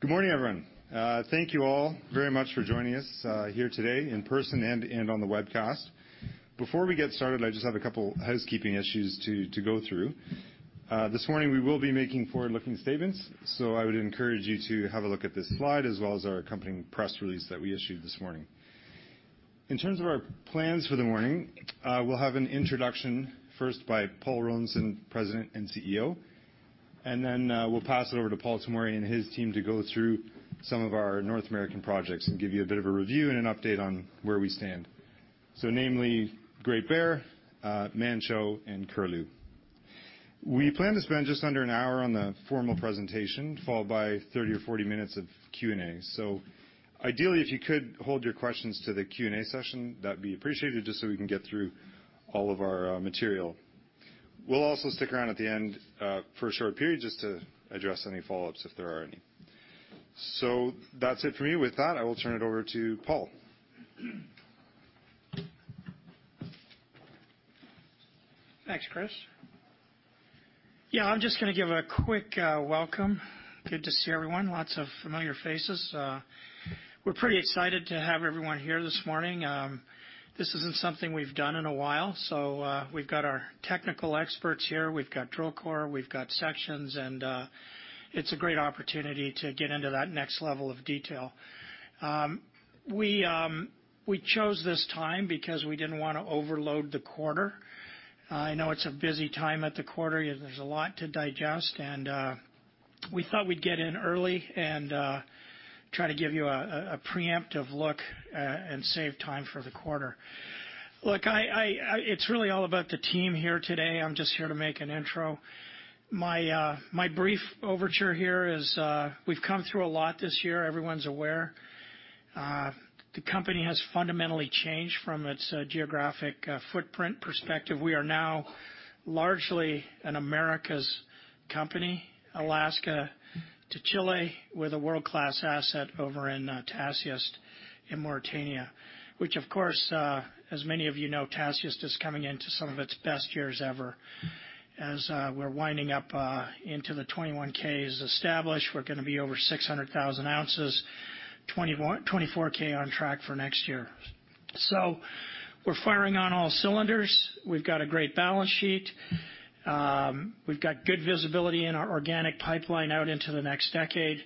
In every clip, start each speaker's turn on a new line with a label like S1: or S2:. S1: Good morning, everyone. Thank you all very much for joining us here today in person and on the webcast. Before we get started, I just have a couple housekeeping issues to go through. This morning we will be making forward-looking statements, so I would encourage you to have a look at this slide as well as our accompanying press release that we issued this morning. In terms of our plans for the morning, we'll have an introduction first by Paul Rollinson, President and CEO, and then we'll pass it over to Paul Tomory and his team to go through some of our North American projects and give you a bit of a review and an update on where we stand. Namely Great Bear, Manh Choh, and Curlew. We plan to spend just under an hour on the formal presentation, followed by 30 or 40 minutes of Q&A. Ideally, if you could hold your questions to the Q&A session, that'd be appreciated, just so we can get through all of our material. We'll also stick around at the end for a short period just to address any follow-ups if there are any. That's it for me. With that, I will turn it over to Paul.
S2: Thanks, Chris. Yeah, I'm just gonna give a quick welcome. Good to see everyone. Lots of familiar faces. We're pretty excited to have everyone here this morning. This isn't something we've done in a while, so we've got our technical experts here. We've got drill core, we've got sections, and it's a great opportunity to get into that next level of detail. We chose this time because we didn't wanna overload the quarter. I know it's a busy time at the quarter. There's a lot to digest, and we thought we'd get in early and try to give you a preemptive look, and save time for the quarter. Look, it's really all about the team here today. I'm just here to make an intro. My brief overview here is, we've come through a lot this year. Everyone's aware. The company has fundamentally changed from its geographic footprint perspective. We are now largely an Americas company, Alaska to Chile, with a world-class asset over in Tasiast in Mauritania, which of course, as many of you know, Tasiast is coming into some of its best years ever. As we're winding up, the 21k Phase is established, we're gonna be over 600,000 oz, 24k Phase on track for next year. We're firing on all cylinders. We've got a great balance sheet. We've got good visibility in our organic pipeline out into the next decade.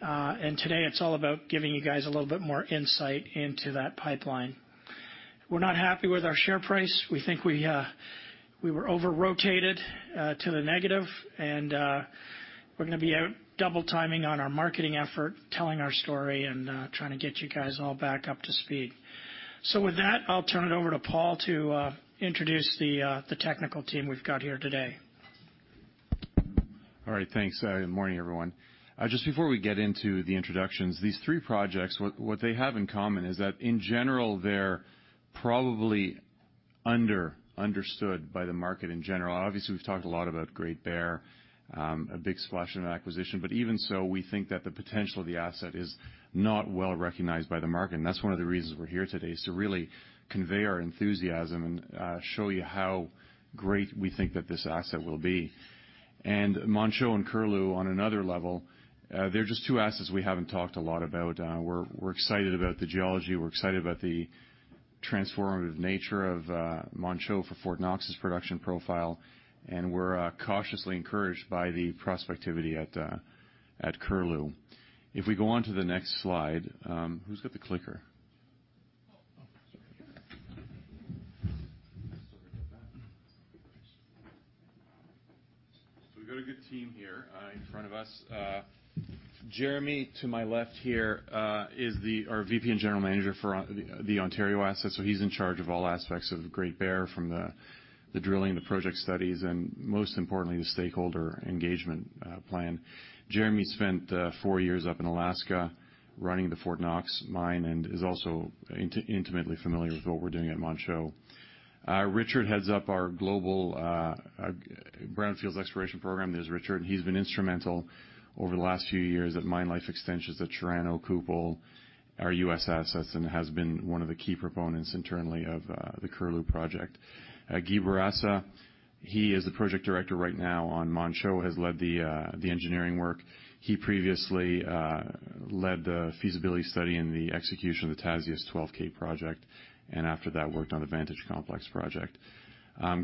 S2: Today it's all about giving you guys a little bit more insight into that pipeline. We're not happy with our share price. We think we were over-rotated to the negative, and we're gonna be out double timing on our marketing effort, telling our story and trying to get you guys all back up to speed. With that, I'll turn it over to Paul to introduce the technical team we've got here today.
S3: All right. Thanks. Good morning, everyone. Just before we get into the introductions, these three projects, what they have in common is that in general, they're probably understood by the market in general. Obviously, we've talked a lot about Great Bear, a big splash and acquisition. Even so, we think that the potential of the asset is not well-recognized by the market. That's one of the reasons we're here today, is to really convey our enthusiasm and show you how great we think that this asset will be. Manh Choh and Curlew on another level, they're just two assets we haven't talked a lot about. We're excited about the geology, we're excited about the transformative nature of Manh Choh for Fort Knox's production profile, and we're cautiously encouraged by the prospectivity at Curlew. If we go on to the next slide, who's got the clicker? Oh, it's right here. We've got a good team here in front of us. Jeremy, to my left here, is our VP and General Manager for the Ontario assets. He's in charge of all aspects of Great Bear from the drilling, the project studies, and most importantly, the stakeholder engagement plan. Jeremy spent four years up in Alaska running the Fort Knox mine and is also intimately familiar with what we're doing at Manh Choh. Richard heads up our global brownfields exploration program. There's Richard. He's been instrumental over the last few years at mine life extensions at Chirano, Kupol, our U.S. assets, and has been one of the key proponents internally of the Curlew project. Guy Bourassa, he is the project director right now on Manh Choh, has led the engineering work. He previously led the feasibility study and the execution of the Tasiast 12K project, and after that, worked on the Vantage Complex project.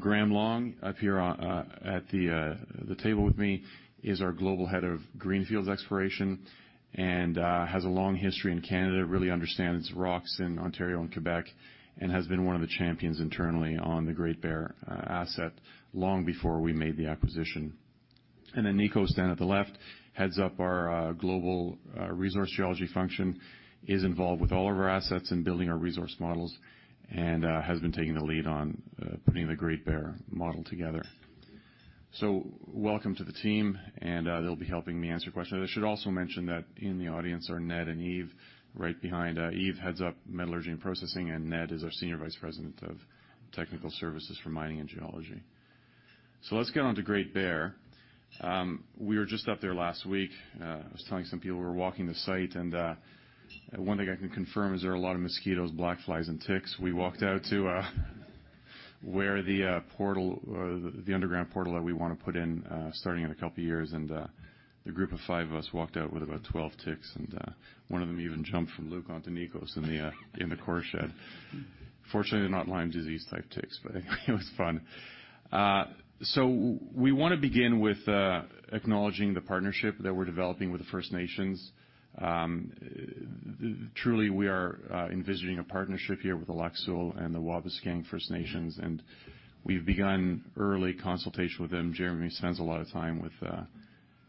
S3: Graham Long, up here at the table with me is our Global Head of Greenfields Exploration and has a long history in Canada, really understands rocks in Ontario and Quebec, and has been one of the champions internally on the Great Bear asset long before we made the acquisition. Nicos, standing at the left, heads up our global resource geology function, is involved with all of our assets in building our resource models, and has been taking the lead on putting the Great Bear model together. Welcome to the team, and they'll be helping me answer questions. I should also mention that in the audience are Ned and Yves right behind. Yves heads up metallurgy and processing, and Ned is our Senior Vice President of Technical Services for Mining and Geology. Let's get on to Great Bear. We were just up there last week. I was telling some people we were walking the site, and one thing I can confirm is there are a lot of mosquitoes, black flies, and ticks. We walked out to where the portal, the underground portal that we want to put in starting in a couple of years, and the group of five of us walked out with about 12 ticks, and one of them even jumped from Luke onto Nicos in the core shed. Fortunately, not Lyme disease type ticks, but it was fun. We want to begin with acknowledging the partnership that we're developing with the First Nations. Truly, we are envisaging a partnership here with the Lac Seul and the Wabauskang First Nations, and we've begun early consultation with them. Jeremy spends a lot of time with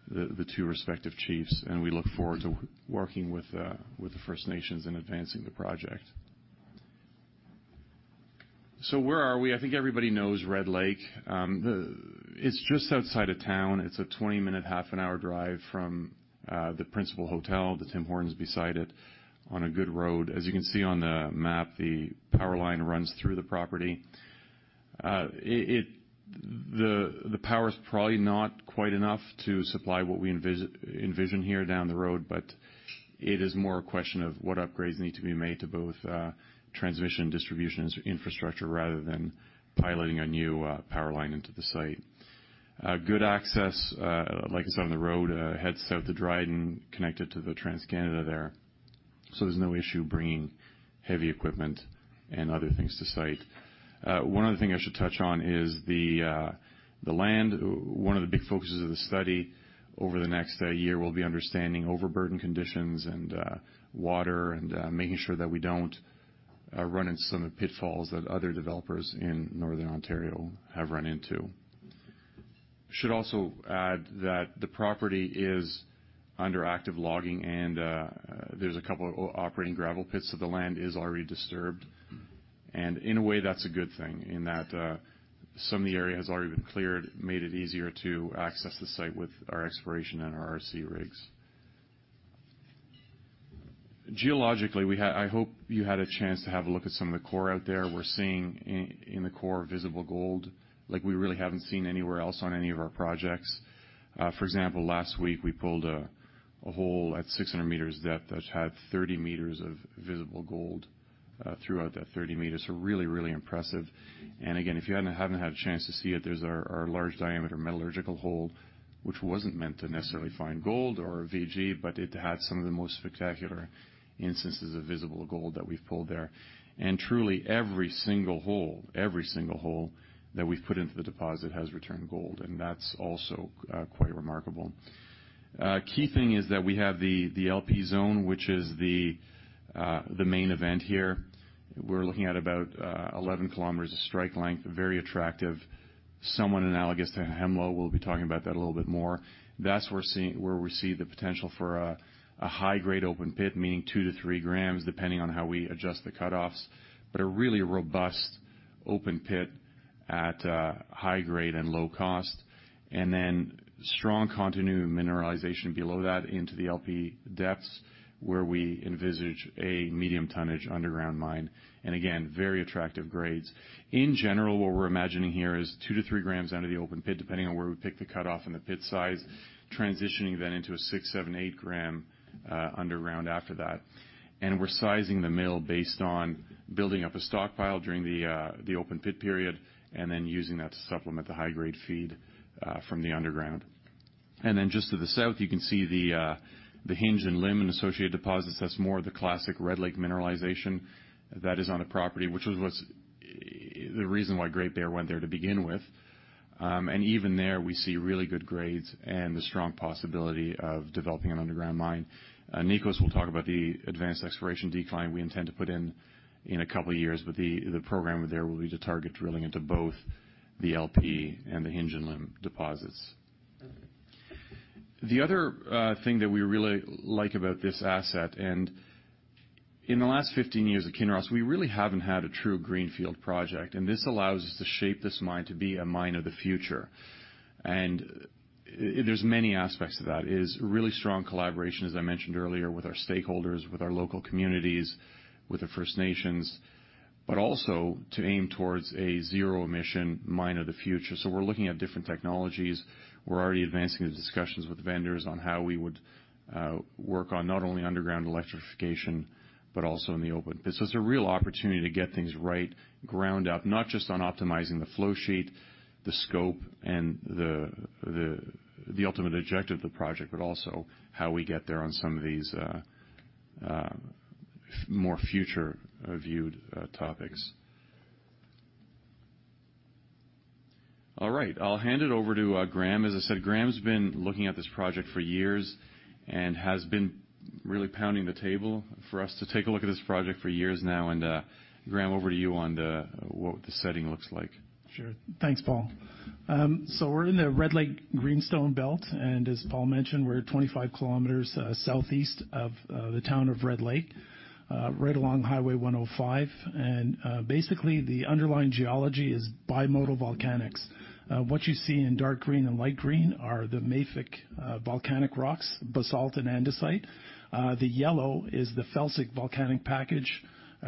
S3: the two respective chiefs, and we look forward to working with the First Nations in advancing the project. Where are we? I think everybody knows Red Lake. It's just outside of town. It's a 20-minute, half-an-hour drive from the principal hotel. The Tim Hortons beside it on a good road. As you can see on the map, the power line runs through the property. The power is probably not quite enough to supply what we envision here down the road, but it is more a question of what upgrades need to be made to both transmission and distribution infrastructure rather than piloting a new power line into the site. Good access, like I said, on the road, heads south to Dryden, connected to the TransCanada there. There's no issue bringing heavy equipment and other things to site. One other thing I should touch on is the land. One of the big focuses of the study over the next year will be understanding overburden conditions and water and making sure that we don't run into some of the pitfalls that other developers in Northern Ontario have run into. Should also add that the property is under active logging and there's a couple operating gravel pits, so the land is already disturbed. In a way, that's a good thing in that some of the area has already been cleared, made it easier to access the site with our exploration and our RC rigs. Geologically, I hope you had a chance to have a look at some of the core out there. We're seeing in the core visible gold, like we really haven't seen anywhere else on any of our projects. For example, last week, we pulled a hole at 600 meters depth that had 30 meters of visible gold throughout that 30 meters. Really impressive. Again, if you hadn't had a chance to see it, there's our large diameter metallurgical hole, which wasn't meant to necessarily find gold or VG, but it had some of the most spectacular instances of visible gold that we've pulled there. Truly every single hole that we've put into the deposit has returned gold, and that's also quite remarkable. A key thing is that we have the LP zone, which is the main event here. We're looking at about 11 km of strike length, very attractive, somewhat analogous to Hemlo. We'll be talking about that a little bit more. That's where we see the potential for a high-grade open pit, meaning 2 grams-3 grams, depending on how we adjust the cutoffs, but a really robust open pit at high grade and low cost. Strong continued mineralization below that into the LP depths, where we envisage a medium tonnage underground mine, and again, very attractive grades. In general, what we're imagining here is 2 grams-3 grams out of the open pit, depending on where we pick the cutoff and the pit size, transitioning then into a 6-7-8 gram underground after that. We're sizing the mill based on building up a stockpile during the open pit period and then using that to supplement the high-grade feed from the underground. Just to the south, you can see the hinge and limb and associated deposits. That's more of the classic Red Lake mineralization that is on the property, which was what's the reason why Great Bear went there to begin with. Even there, we see really good grades and the strong possibility of developing an underground mine. Nicos will talk about the advanced exploration decline we intend to put in in a couple of years, but the program there will be to target drilling into both the LP and the hinge and limb deposits. The other thing that we really like about this asset, and in the last 15 years at Kinross, we really haven't had a true greenfield project, and this allows us to shape this mine to be a mine of the future. There's many aspects to that, is really strong collaboration, as I mentioned earlier, with our stakeholders, with our local communities, with the First Nations, but also to aim towards a zero emission mine of the future. We're looking at different technologies. We're already advancing the discussions with vendors on how we would work on not only underground electrification, but also in the open pit. It's a real opportunity to get things right, ground up, not just on optimizing the flow sheet, the scope and the ultimate objective of the project, but also how we get there on some of these more future-proofed topics. All right. I'll hand it over to Graham. As I said, Graham been looking at this project for years and has been really pounding the table for us to take a look at this project for years now. Graham, over to you on what the setting looks like.
S4: Sure. Thanks, Paul. We're in the Red Lake Greenstone Belt, and as Paul mentioned, we're 25 km southeast of the town of Red Lake, right along Highway 105. Basically, the underlying geology is bimodal volcanics. What you see in dark green and light green are the mafic volcanic rocks, basalt and andesite. The yellow is the felsic volcanic package,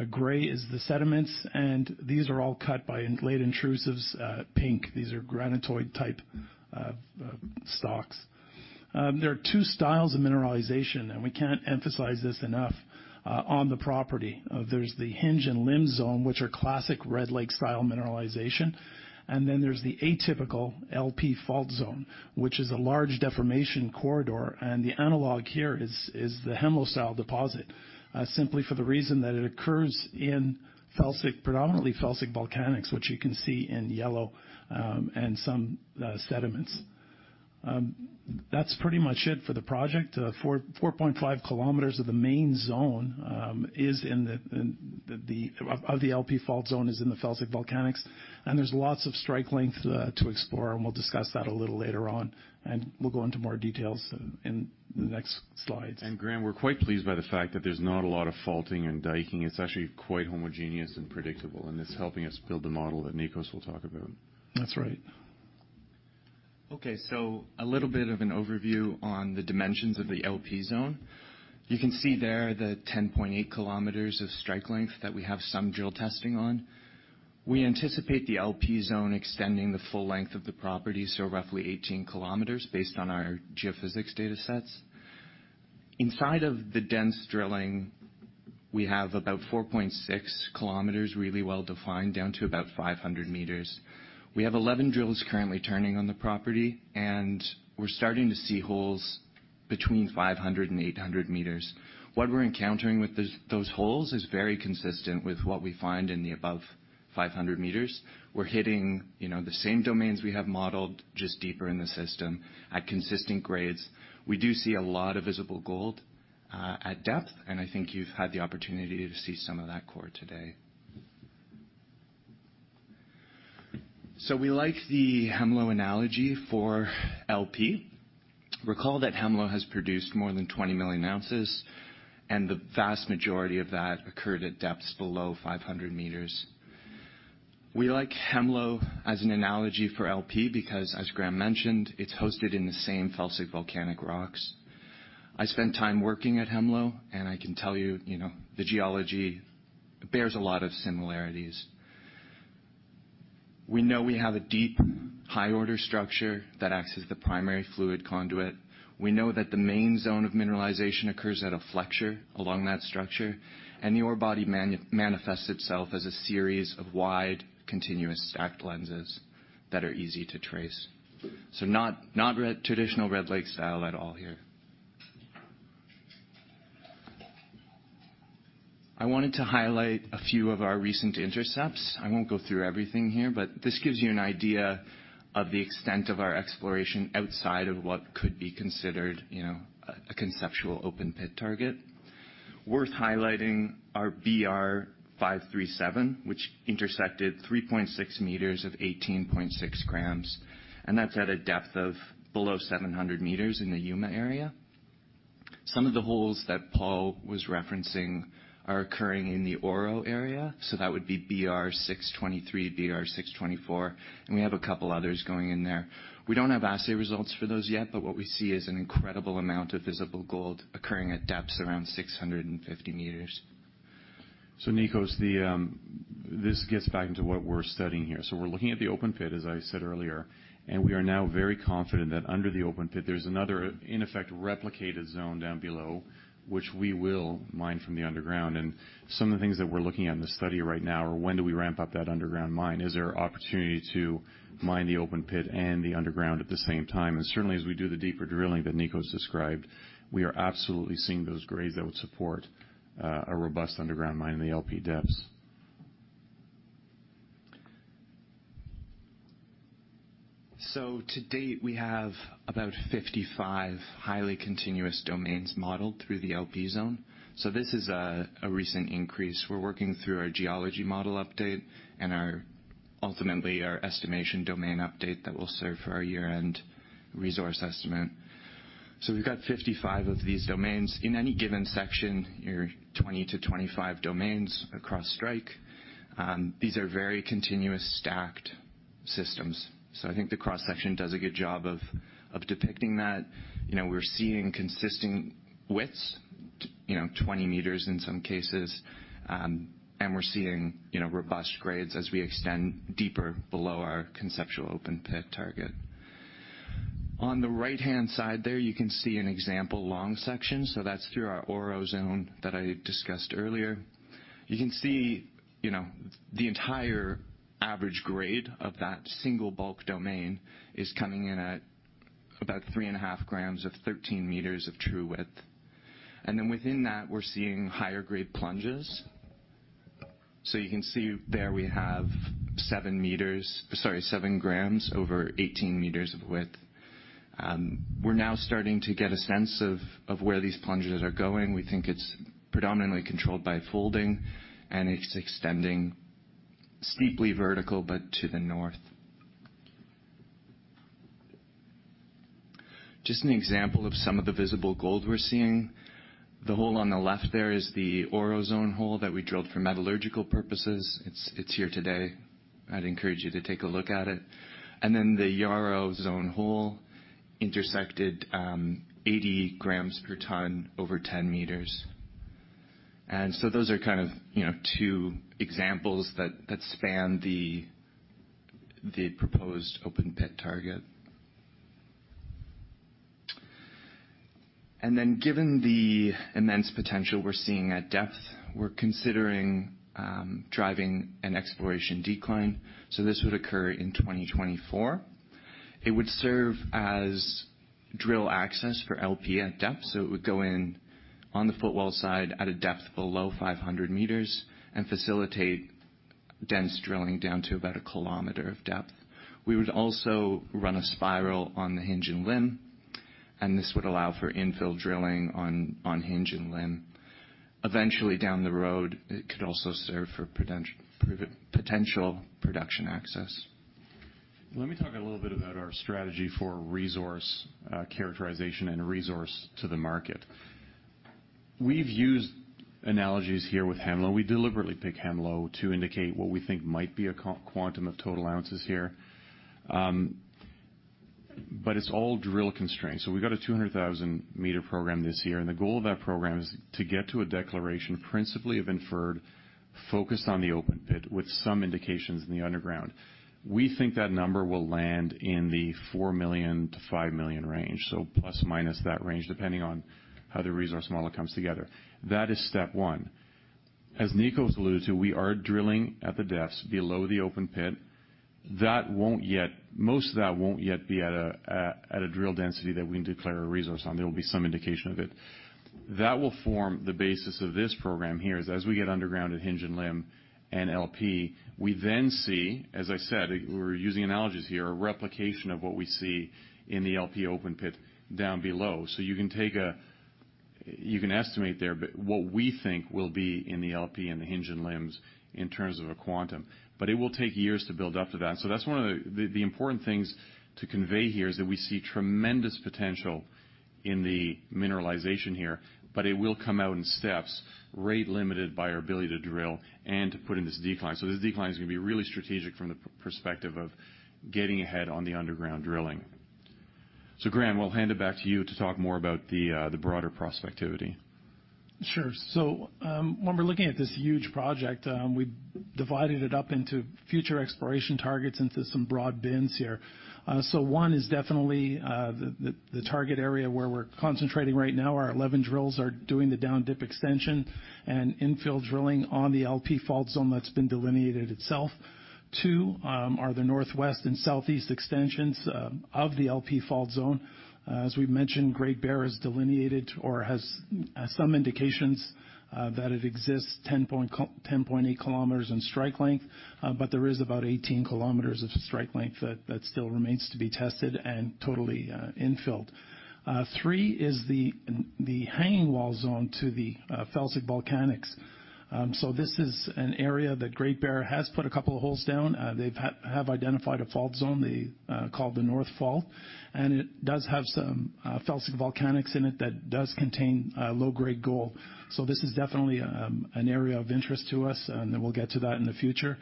S4: gray is the sediments, and these are all cut by late intrusives, pink. These are granitoid type stocks. There are two styles of mineralization, and we can't emphasize this enough on the property. There's the hinge and limb zone, which are classic Red Lake style mineralization. Then there's the atypical LP fault zone, which is a large deformation corridor. The analog here is the Hemlo style deposit simply for the reason that it occurs in felsic, predominantly felsic volcanics, which you can see in yellow, and some sediments. That's pretty much it for the project. 4.5 km of the main zone of the LP fault zone is in the felsic volcanics, and there's lots of strike length to explore, and we'll discuss that a little later on, and we'll go into more details in the next slides.
S3: Graham, we're quite pleased by the fact that there's not a lot of faulting and diking. It's actually quite homogeneous and predictable, and it's helping us build the model that Nicos will talk about.
S4: That's right.
S5: Okay. A little bit of an overview on the dimensions of the LP zone. You can see there the 10.8 km of strike length that we have some drill testing on. We anticipate the LP zone extending the full length of the property, so roughly 18 kilometers based on our geophysics datasets. Inside of the dense drilling, we have about 4.6 km really well defined, down to about 500 meters. We have 11 drills currently turning on the property, and we're starting to see holes between 500 meters and 800 meters. What we're encountering with those holes is very consistent with what we find in the above 500 meters. We're hitting, you know, the same domains we have modeled just deeper in the system at consistent grades. We do see a lot of visible gold at depth, and I think you've had the opportunity to see some of that core today. We like the Hemlo analogy for LP. Recall that Hemlo has produced more than 20 million oz, and the vast majority of that occurred at depths below 500 meters. We like Hemlo as an analogy for LP because, as Graham mentioned, it's hosted in the same felsic volcanic rocks. I spent time working at Hemlo, and I can tell you know, the geology bears a lot of similarities. We know we have a deep, high-order structure that acts as the primary fluid conduit. We know that the main zone of mineralization occurs at a flexure along that structure, and the ore body manifests itself as a series of wide, continuous stacked lenses that are easy to trace. Not the traditional Red Lake style at all here. I wanted to highlight a few of our recent intercepts. I won't go through everything here, but this gives you an idea of the extent of our exploration outside of what could be considered a conceptual open pit target. Worth highlighting, our BR-537, which intersected 3.6 meters of 18.6 grams, and that's at a depth of below 700 meters in the Yuma area. Some of the holes that Paul was referencing are occurring in the Oro area, so that would be BR-623, BR-624, and we have a couple others going in there. We don't have assay results for those yet, but what we see is an incredible amount of visible gold occurring at depths around 650 meters.
S3: Nicos, this gets back into what we're studying here. We're looking at the open pit, as I said earlier, and we are now very confident that under the open pit there's another, in effect, replicated zone down below which we will mine from the underground. Some of the things that we're looking at in the study right now are when do we ramp up that underground mine? Is there opportunity to mine the open pit and the underground at the same time? Certainly, as we do the deeper drilling that Nicos described, we are absolutely seeing those grades that would support a robust underground mine in the LP depths.
S5: To date, we have about 55 highly continuous domains modeled through the LP zone. This is a recent increase. We're working through our geology model update and our ultimately our estimation domain update that will serve for our year-end resource estimate. We've got 55 of these domains. In any given section, you're 20-25 domains across strike. These are very continuous stacked systems, so I think the cross-section does a good job of depicting that. You know, we're seeing consistent widths, you know, 20 meters in some cases. And we're seeing, you know, robust grades as we extend deeper below our conceptual open pit target. On the right-hand side there, you can see an example long section. That's through our Oro zone that I discussed earlier. You can see, you know, the entire average grade of that single bulk domain is coming in at about 3.5 grams of 13 meters of true width. Then within that, we're seeing higher grade plunges. You can see there we have 7 grams over 18 meters of width. We're now starting to get a sense of where these plunges are going. We think it's predominantly controlled by folding, and it's extending steeply vertical, but to the north. Just an example of some of the visible gold we're seeing. The hole on the left there is the Oro zone hole that we drilled for metallurgical purposes. It's here today. I'd encourage you to take a look at it. The Yauro subzone hole intersected 80 grams per tonne over 10 meters. Those are kind of, you know, two examples that span the proposed open pit target. Then given the immense potential we're seeing at depth, we're considering driving an exploration decline. This would occur in 2024. It would serve as drill access for LP at depth, so it would go in on the footwell side at a depth below 500 meters and facilitate Dense drilling down to about a kilometer of depth. We would also run a spiral on the hinge and limb, and this would allow for infill drilling on hinge and limb. Eventually, down the road, it could also serve for potential production access.
S3: Let me talk a little bit about our strategy for resource characterization and resource to the market. We've used analogies here with Hemlo. We deliberately pick Hemlo to indicate what we think might be a quantum of total ounces here. It's all drill constrained. We've got a 200,000-meter program this year, and the goal of that program is to get to a declaration principally of inferred, focused on the open pit with some indications in the underground. We think that number will land in the 4 million-5 million range, so plus minus that range, depending on how the resource model comes together. That is step one. As Nico has alluded to, we are drilling at the depths below the open pit. Most of that won't yet be at a drill density that we can declare a resource on. There will be some indication of it. That will form the basis of this program here, is as we get underground at Hinge and Limb and LP, we then see, as I said, we're using analogies here, a replication of what we see in the LP open pit down below. You can estimate there, what we think will be in the LP and the Hinge and Limbs in terms of a quantum. It will take years to build up to that. That's one of the important things to convey here is that we see tremendous potential in the mineralization here, but it will come out in steps, rate limited by our ability to drill and to put in this decline. This decline is gonna be really strategic from the perspective of getting ahead on the underground drilling. Graham, we'll hand it back to you to talk more about the broader prospectivity.
S4: When we're looking at this huge project, we divided it up into future exploration targets into some broad bins here. One is definitely the target area where we're concentrating right now. Our 11 drills are doing the down-dip extension and in-field drilling on the LP fault zone that's been delineated itself. Two are the northwest and southeast extensions of the LP fault zone. As we've mentioned, Great Bear is delineated or has some indications that it exists 10.8 km in strike length, but there is about 18 km of strike length that still remains to be tested and totally infilled. Three is the hanging wall zone to the felsic volcanics. This is an area that Great Bear has put a couple of holes down. They have identified a fault zone they call the North Fault, and it does have some felsic volcanics in it that does contain low-grade gold. This is definitely an area of interest to us, and we'll get to that in the future.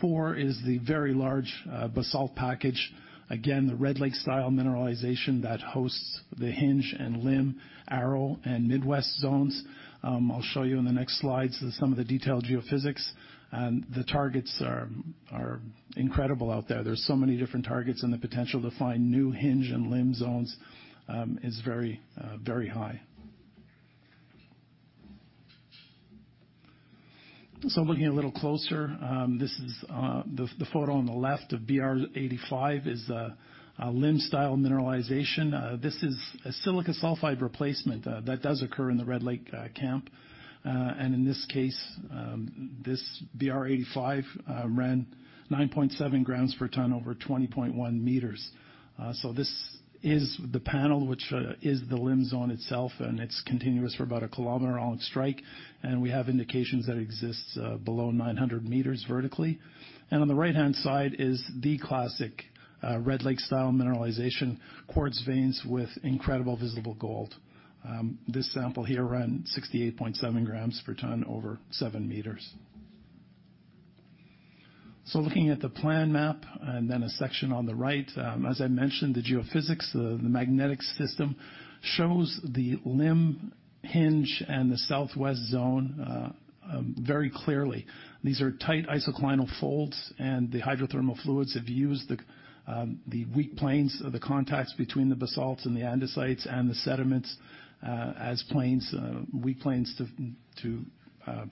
S4: Four is the very large basalt package. Again, the Red Lake style mineralization that hosts the hinge and limb, Arrow and Midwest zones. I'll show you in the next slides some of the detailed geophysics. The targets are incredible out there. There's so many different targets, and the potential to find new hinge and limb zones is very very high. Looking a little closer, this is the photo on the left of BR-85 is the limb style mineralization. This is a silica sulfide replacement that does occur in the Red Lake camp. In this case, this BR-85 ran 9.7 grams per ton over 20.1 meters. This is the panel which is the limb zone itself, and it's continuous for about a kilometer on strike, and we have indications that it exists below 900 meters vertically. On the right-hand side is the classic Red Lake style mineralization, quartz veins with incredible visible gold. This sample here ran 68.7 grams per ton over 7 meters. Looking at the plan map and then a section on the right, as I mentioned, the geophysics, the magnetic system shows the limb, hinge, and the southwest zone very clearly. These are tight isoclinal folds, and the hydrothermal fluids have used the weak planes of the contacts between the basalts and the andesites and the sediments as weak planes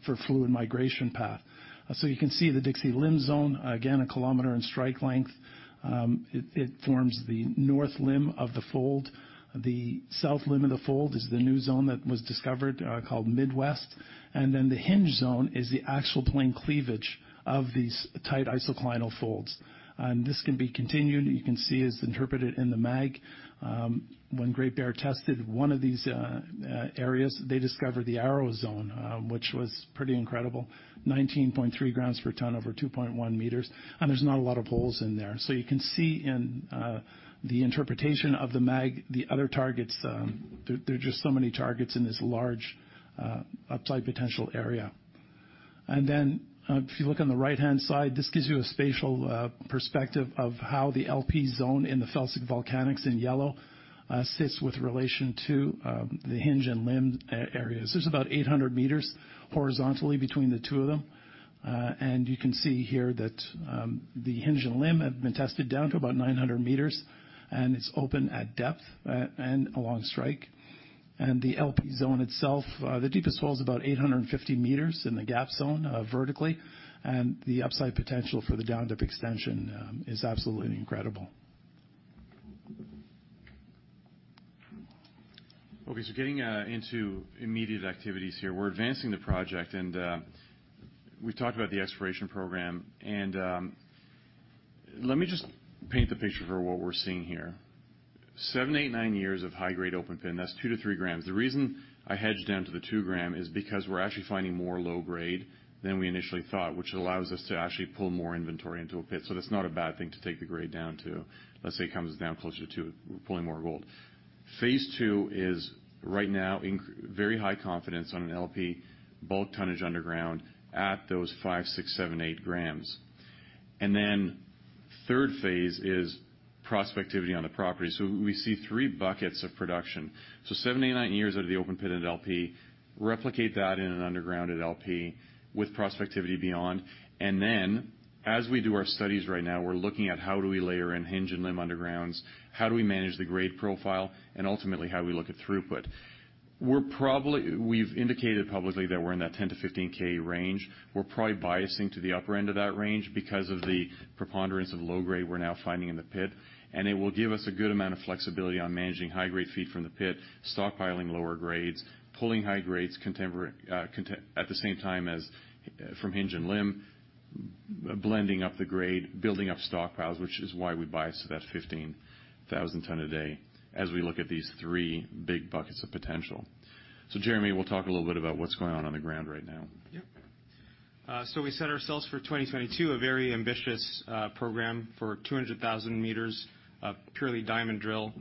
S4: for fluid migration path. You can see the Dixie limb zone, again, a kilometer in strike length. It forms the north limb of the fold. The south limb of the fold is the new zone that was discovered called Midwest. Then the hinge zone is the actual plane cleavage of these tight isoclinal folds. This can be continued. You can see it's interpreted in the mag. When Great Bear tested one of these areas, they discovered the Arrow zone, which was pretty incredible. 19.3 grams per ton over 2.1 meters, and there's not a lot of holes in there. You can see in the interpretation of the mag, the other targets, there are just so many targets in this large upside potential area. If you look on the right-hand side, this gives you a spatial perspective of how the LP zone in the felsic volcanics in yellow sits with relation to the hinge and limb areas. There's about 800 meters horizontally between the two of them. You can see here that the hinge and limb have been tested down to about 900 meters, and it's open at depth and along strike. The LP zone itself, the deepest hole is about 850 meters in the LP zone vertically. The upside potential for the down-dip extension is absolutely incredible.
S3: Okay. Getting into immediate activities here, we're advancing the project, and we talked about the exploration program. Let me just paint the picture for what we're seeing here. seven, eight, nine years of high grade open pit, and that's 2-3 grams. The reason I hedged down to the 2 gram is because we're actually finding more low grade than we initially thought, which allows us to actually pull more inventory into a pit. That's not a bad thing to take the grade down to, let's say, it comes down closer to pulling more gold. Phase two is right now very high confidence on an LP bulk tonnage underground at those 5, 6, 7, 8 grams. Then third phase is prospectivity on the property. We see three buckets of production. seven, eight, nine years out of the open pit at LP, replicate that in an underground at LP with prospectivity beyond. As we do our studies right now, we're looking at how do we layer in hinge and limb undergrounds, how do we manage the grade profile, and ultimately, how we look at throughput. We've indicated publicly that we're in that 10-15K range. We're probably biasing to the upper end of that range because of the preponderance of low grade we're now finding in the pit, and it will give us a good amount of flexibility on managing high grade feed from the pit, stockpiling lower grades, pulling high grades at the same time as from hinge and limb, blending up the grade, building up stockpiles, which is why we bias to that 15,000 ton a day as we look at these three big buckets of potential. Jeremy, we'll talk a little bit about what's going on on the ground right now.
S6: Yep. We set ourselves for 2022, a very ambitious program for 200,000 meters of purely diamond drill.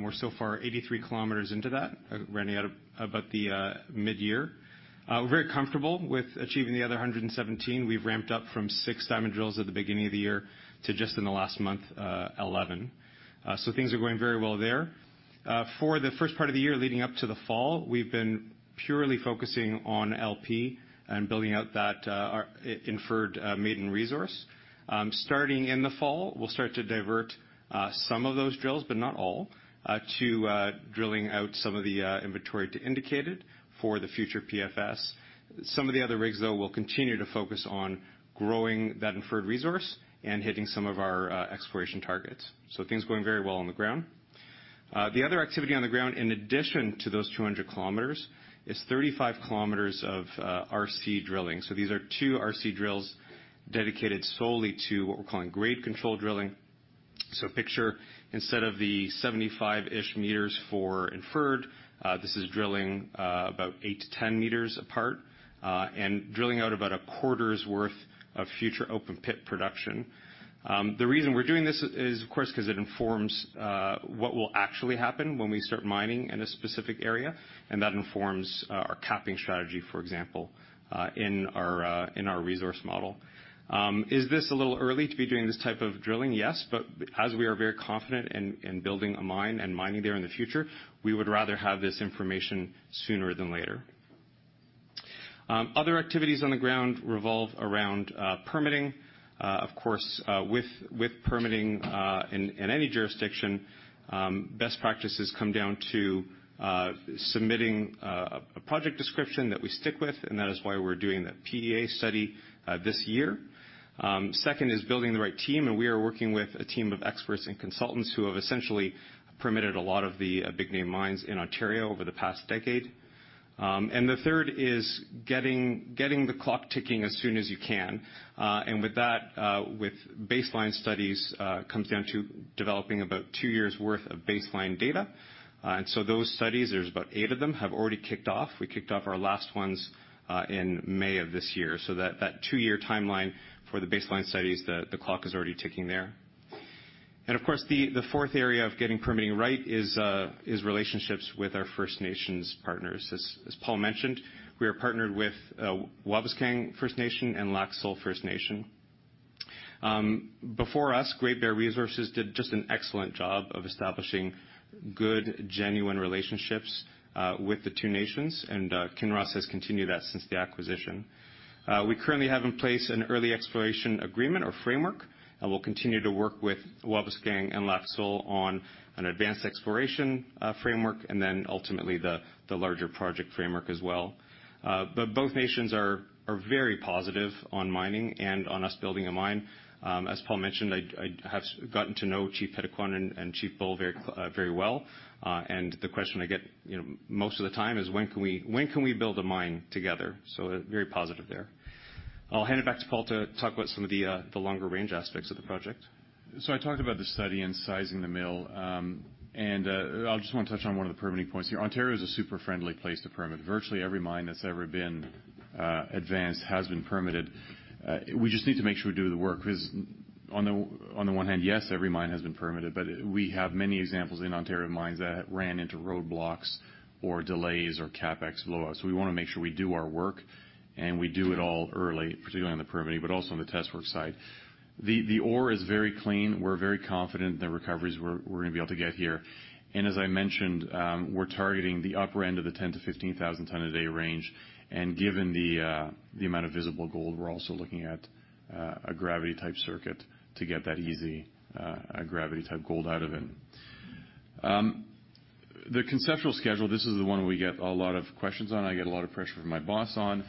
S6: We're so far 83 km into that, running at about the midyear. We're very comfortable with achieving the other 117. We've ramped up from six diamond drills at the beginning of the year to just in the last month, 11. Things are going very well there. For the first part of the year leading up to the fall, we've been purely focusing on LP and building out that our inferred maiden resource. Starting in the fall, we'll start to divert some of those drills, but not all, to drilling out some of the inventory to indicated for the future PFS. Some of the other rigs, though, will continue to focus on growing that inferred resource and hitting some of our exploration targets. Things are going very well on the ground. The other activity on the ground, in addition to those 200 km, is 35 km of RC drilling. These are two RC drills dedicated solely to what we're calling grade control drilling. Picture instead of the 75-ish meters for inferred, this is drilling about 8-10 meters apart and drilling out about a quarter's worth of future open pit production. The reason we're doing this is, of course, because it informs what will actually happen when we start mining in a specific area, and that informs our capping strategy, for example, in our resource model. Is this a little early to be doing this type of drilling? Yes. As we are very confident in building a mine and mining there in the future, we would rather have this information sooner than later. Other activities on the ground revolve around permitting. Of course, with permitting in any jurisdiction, best practices come down to submitting a project description that we stick with, and that is why we're doing the PEA study this year. Second is building the right team, and we are working with a team of experts and consultants who have essentially permitted a lot of the big name mines in Ontario over the past decade. The third is getting the clock ticking as soon as you can. With that, with baseline studies, comes down to developing about two years' worth of baseline data. Those studies, there's about eight of them, have already kicked off. We kicked off our last ones in May of this year. That two-year timeline for the baseline studies, the clock is already ticking there. Of course, the fourth area of getting permitting right is relationships with our First Nations partners. As Paul mentioned, we are partnered with Wabauskang First Nation and Lac Seul First Nation. Before us, Great Bear Resources did just an excellent job of establishing good, genuine relationships with the two nations, and Kinross has continued that since the acquisition. We currently have in place an early exploration agreement or framework, and we'll continue to work with Wabauskang and Lac Seul on an advanced exploration framework and then ultimately the larger project framework as well. Both nations are very positive on mining and on us building a mine. As Paul mentioned, I have gotten to know Chief Petiquan and Chief Bull very well. The question I get, you know, most of the time is when can we build a mine together? Very positive there. I'll hand it back to Paul to talk about some of the longer range aspects of the project.
S3: I talked about the study and sizing the mill. I just want to touch on one of the permitting points here. Ontario is a super friendly place to permit. Virtually every mine that's ever been advanced has been permitted. We just need to make sure we do the work 'cause on the one hand, yes, every mine has been permitted, but we have many examples in Ontario of mines that ran into roadblocks or delays or CapEx blowouts. We wanna make sure we do our work, and we do it all early, particularly on the permitting, but also on the test work side. The ore is very clean. We're very confident in the recoveries we're gonna be able to get here. As I mentioned, we're targeting the upper end of the 10,000 ton-15,000 ton a day range. Given the amount of visible gold, we're also looking at a gravity circuit to get that easy gravity type gold out of it. The conceptual schedule, this is the one we get a lot of questions on. I get a lot of pressure from my boss on,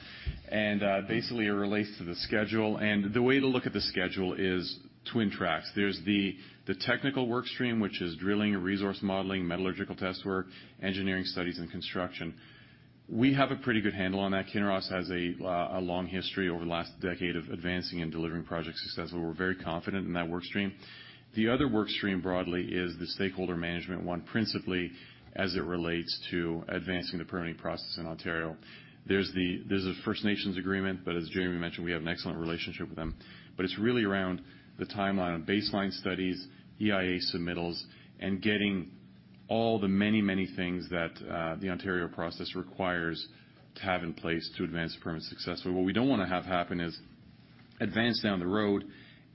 S3: and basically it relates to the schedule. The way to look at the schedule is twin tracks. There's the technical work stream, which is drilling, resource modeling, metallurgical test work, engineering studies, and construction. We have a pretty good handle on that. Kinross has a long history over the last decade of advancing and delivering projects successfully. We're very confident in that work stream. The other work stream broadly is the stakeholder management one, principally as it relates to advancing the permitting process in Ontario. There's a First Nations agreement, but as Jeremy mentioned, we have an excellent relationship with them. It's really around the timeline of baseline studies, EIA submittals, and getting all the many, many things that, the Ontario process requires to have in place to advance the permit successfully. What we don't wanna have happen is advance down the road,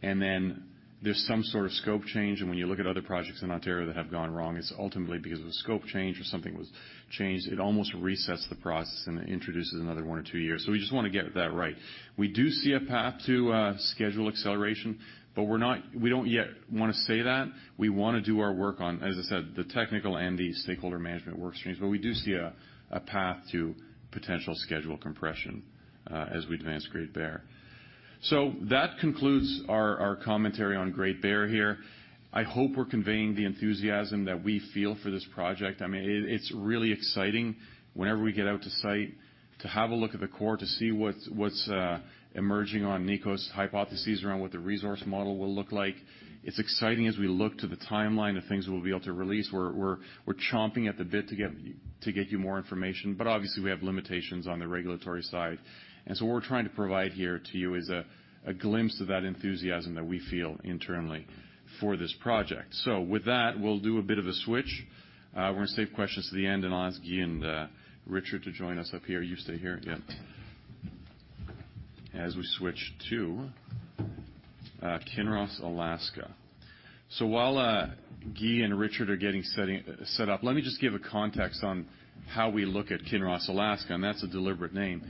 S3: and then there's some sort of scope change. When you look at other projects in Ontario that have gone wrong, it's ultimately because of a scope change or something was changed. It almost resets the process and introduces another one to two years. We just wanna get that right. We do see a path to schedule acceleration, but we're not. We don't yet wanna say that. We wanna do our work on, as I said, the technical and the stakeholder management work streams. We do see a path to potential schedule compression as we advance Great Bear. That concludes our commentary on Great Bear here. I hope we're conveying the enthusiasm that we feel for this project. I mean, it's really exciting whenever we get out to site to have a look at the core to see what's emerging on Nicos' hypotheses around what the resource model will look like. It's exciting as we look to the timeline of things we'll be able to release. We're chomping at the bit to get you more information. Obviously, we have limitations on the regulatory side. What we're trying to provide here to you is a glimpse of that enthusiasm that we feel internally for this project. With that, we'll do a bit of a switch. We're gonna save questions to the end and ask Guy and Richard to join us up here. You stay here? Yeah. As we switch to Kinross Alaska. While Guy and Richard are getting set up, let me just give a context on how we look at Kinross Alaska, and that's a deliberate name.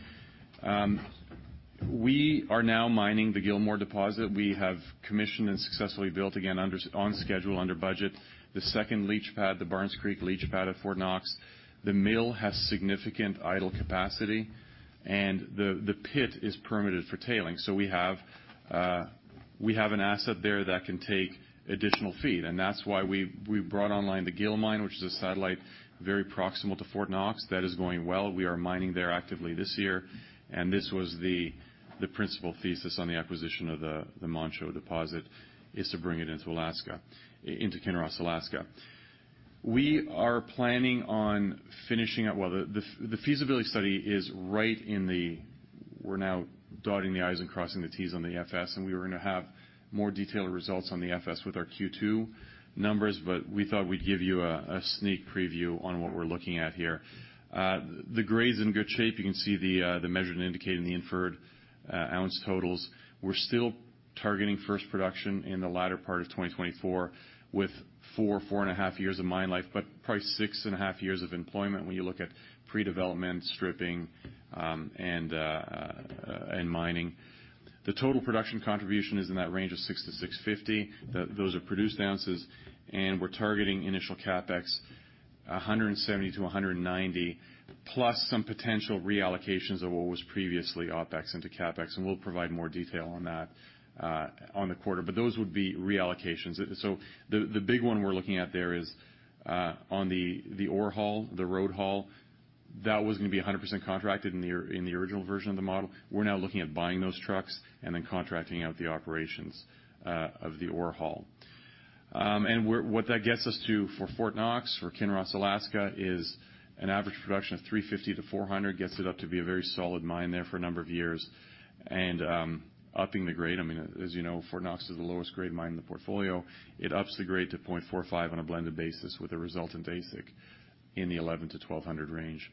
S3: We are now mining the Gil deposit. We have commissioned and successfully built again on schedule, under budget, the second leach pad, the Barnes Creek leach pad at Fort Knox. The mill has significant idle capacity, and the pit is permitted for tailings. We have an asset there that can take additional feed. That's why we brought online the Gil mine, which is a satellite very proximal to Fort Knox. That is going well. We are mining there actively this year, and this was the principal thesis on the acquisition of the Manh Choh deposit, is to bring it into Alaska, into Kinross Alaska. Well, the feasibility study is right in the. We're now dotting the I's and crossing the T's on the FS, and we're gonna have more detailed results on the FS with our Q2 numbers, but we thought we'd give you a sneak preview on what we're looking at here. The grade's in good shape. You can see the measured and indicated and the inferred ounce totals. We're still targeting first production in the latter part of 2024 with 4 years-4.5 years of mine life, but probably 6.5 years of employment when you look at predevelopment, stripping, and mining. The total production contribution is in that range of 600-650. Those are produced ounces, and we're targeting initial CapEx $170-$190, plus some potential reallocations of what was previously OpEx into CapEx. We'll provide more detail on that on the quarter. Those would be reallocations. The big one we're looking at there is on the ore haul, the road haul. That was gonna be 100% contracted in the original version of the model. We're now looking at buying those trucks and then contracting out the operations of the ore haul. What that gets us to for Fort Knox, for Kinross Alaska, is an average production of 350-400, gets it up to be a very solid mine there for a number of years. Upping the grade, I mean, as you know, Fort Knox is the lowest grade mine in the portfolio. It ups the grade to 0.45 on a blended basis with a resultant AISC in the $1,100-$1,200 range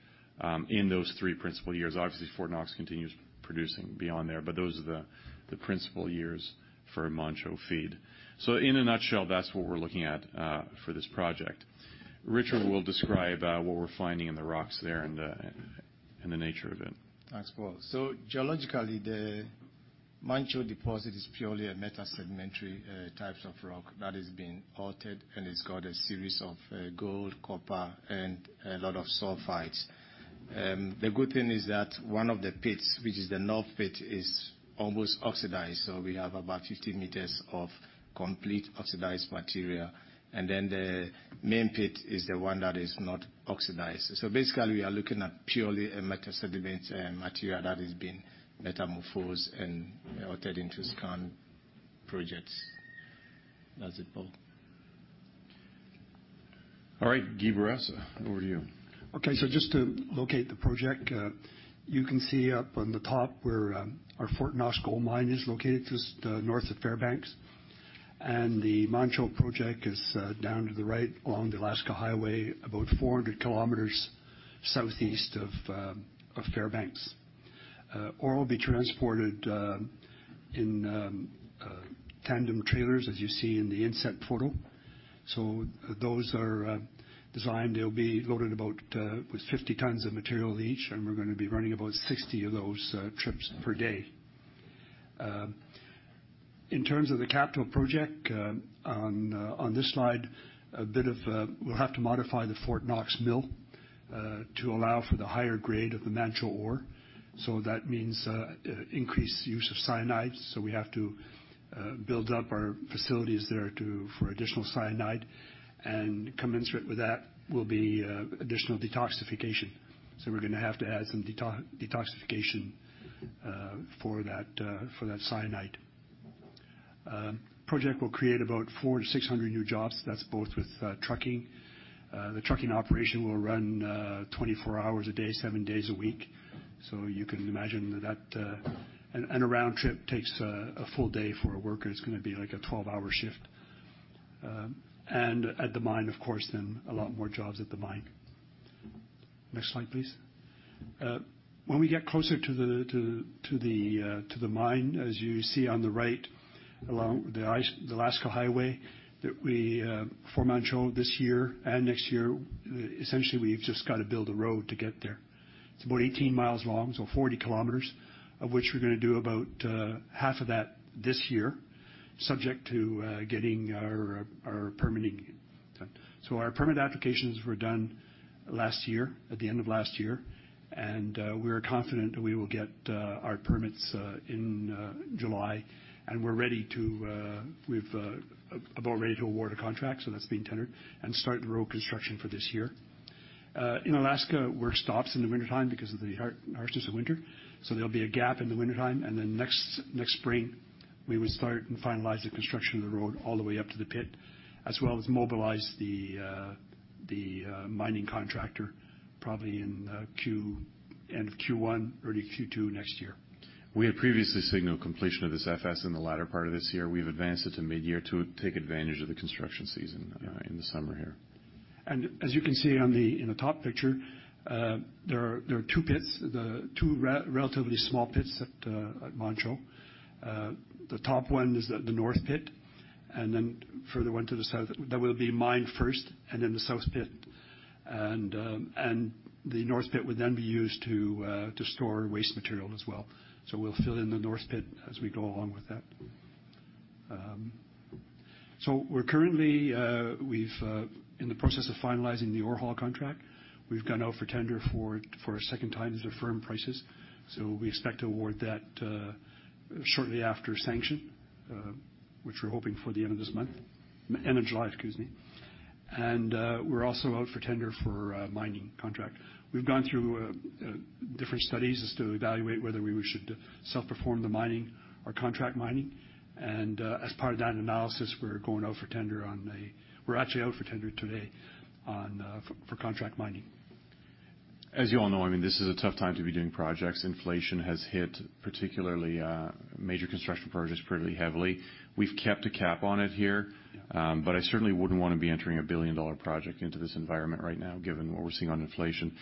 S3: in those three principal years. Obviously, Fort Knox continues producing beyond there, but those are the principal years for Manh Choh feed. In a nutshell, that's what we're looking at for this project. Richard will describe what we're finding in the rocks there and the nature of it.
S7: Thanks, Paul. Geologically, the Manh Choh deposit is purely metasedimentary types of rock that is being altered and it's got a series of gold, copper, and a lot of sulfides. The good thing is that one of the pits, which is the north pit, is almost oxidized, so we have about 50 meters of completely oxidized material. Then the main pit is the one that is not oxidized. Basically, we are looking at purely metasedimentary material that has been metamorphosed and altered into skarn projects. That's it, Paul.
S3: All right, Guy Bourassa, over to you.
S8: Okay. Just to locate the project, you can see up on the top where our Fort Knox gold mine is located, just north of Fairbanks. The Manh Choh project is down to the right along the Alaska Highway, about 400 km southeast of Fairbanks. Ore will be transported in tandem trailers, as you see in the inset photo. Those are designed. They'll be loaded with about 50 tons of material each, and we're gonna be running about 60 of those trips per day. In terms of the capital project, on this slide, we'll have to modify the Fort Knox mill to allow for the higher grade of the Manh Choh ore. That means increased use of cyanide, so we have to build up our facilities there to for additional cyanide and commensurate with that will be additional detoxification. We're gonna have to add some detoxification for that cyanide. Project will create about 400-600 new jobs. That's both with trucking. The trucking operation will run 24 hours a day, seven days a week. You can imagine that. A round trip takes a full day for a worker. It's gonna be like a 12-hour shift. At the mine, of course, there a lot more jobs at the mine. Next slide, please. When we get closer to the mine, as you see on the right, along the ice, the Alaska Highway that we for Manh Choh this year and next year, essentially, we've just gotta build a road to get there. It's about 18 miles long, so 40 km, of which we're gonna do about half of that this year, subject to getting our permitting done. Our permit applications were done last year, at the end of last year, and we are confident that we will get our permits in July, and we're about ready to award a contract, so that's being tendered, and start the road construction for this year. In Alaska, work stops in the wintertime because of the harshness of winter, so there'll be a gap in the wintertime, and then next spring, we would start and finalize the construction of the road all the way up to the pit, as well as mobilize the mining contractor, probably in end of Q1, early Q2 next year.
S3: We had previously signaled completion of this FS in the latter part of this year. We've advanced it to mid-year to take advantage of the construction season, in the summer here.
S8: As you can see in the top picture, there are two relatively small pits at Manh Choh. The top one is the north pit, and then further one to the south that will be mined first, and then the south pit. The north pit would then be used to store waste material as well. We'll fill in the north pit as we go along with that. We're currently in the process of finalizing the ore haul contract. We've gone out for tender for a second time to firm prices. We expect to award that shortly after sanction, which we're hoping for the end of this month. End of July, excuse me. We're also out for tender for a mining contract. We've gone through different studies as to evaluate whether we should self-perform the mining or contract mining. As part of that analysis, we're actually out for tender today for contract mining.
S3: As you all know, I mean, this is a tough time to be doing projects. Inflation has hit particularly major construction projects pretty heavily. We've kept a cap on it here, but I certainly wouldn't wanna be entering a billion-dollar project into this environment right now, given what we're seeing on inflation.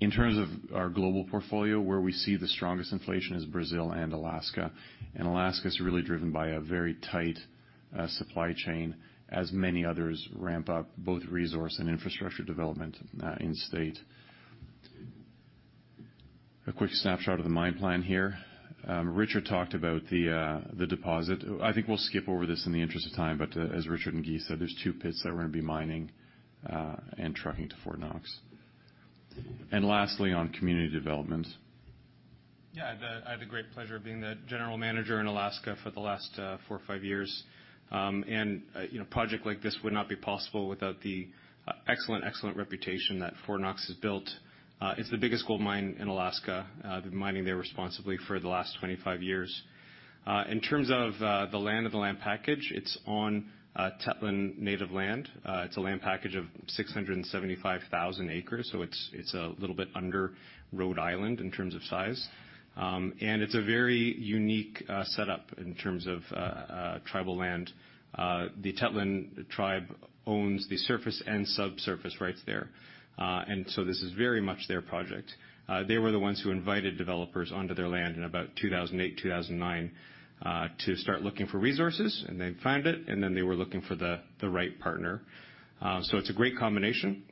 S3: In terms of our global portfolio, where we see the strongest inflation is Brazil and Alaska. Alaska is really driven by a very tight supply chain, as many others ramp up both resource and infrastructure development in state. A quick snapshot of the mine plan here. Richard talked about the the deposit. I think we'll skip over this in the interest of time, but as Richard and Guy said, there's two pits that we're gonna be mining and trucking to Fort Knox. Lastly, on community development.
S6: Yeah. I had the great pleasure of being the general manager in Alaska for the last four or five years. You know, a project like this would not be possible without the excellent reputation that Fort Knox has built. It's the biggest gold mine in Alaska. They've been mining there responsibly for the last 25 years. In terms of the land package, it's on Tetlin Native land. It's a land package of 675,000 acres, so it's a little bit under Rhode Island in terms of size. It's a very unique setup in terms of tribal land. The Tetlin tribe owns the surface and subsurface rights there. This is very much their project. They were the ones who invited developers onto their land in about 2008, 2009, to start looking for resources, and they found it, and then they were looking for the right partner. It's a great combination.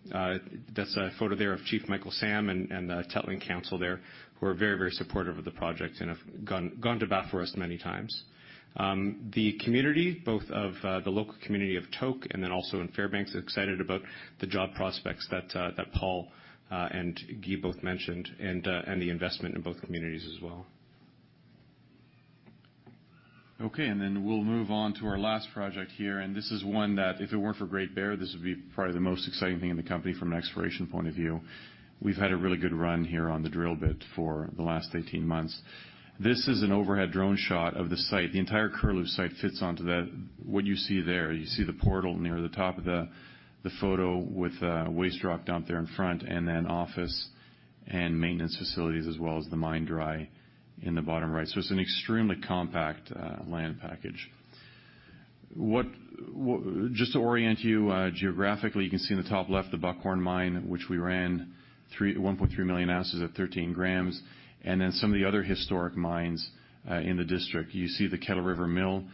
S6: That's a photo there of Chief Michael Sam and the Tetlin council there, who are very supportive of the project and have gone to bat for us many times. The community, both of the local community of Tok, and then also in Fairbanks, are excited about the job prospects that Paul and Guy both mentioned, and the investment in both communities as well.
S3: Okay. Then we'll move on to our last project here. This is one that if it weren't for Great Bear, this would be probably the most exciting thing in the company from an exploration point of view. We've had a really good run here on the drill bit for the last 18 months. This is an overhead drone shot of the site. The entire Curlew site fits onto that, what you see there. You see the portal near the top of the photo with a waste rock dump there in front, and then office and maintenance facilities, as well as the mine dry in the bottom right. So it's an extremely compact land package. Just to orient you, geographically, you can see in the top left the Buckhorn mine, which we ran 3.1 million oz at 13 grams, and then some of the other historic mines in the district. You see the Kettle River Mill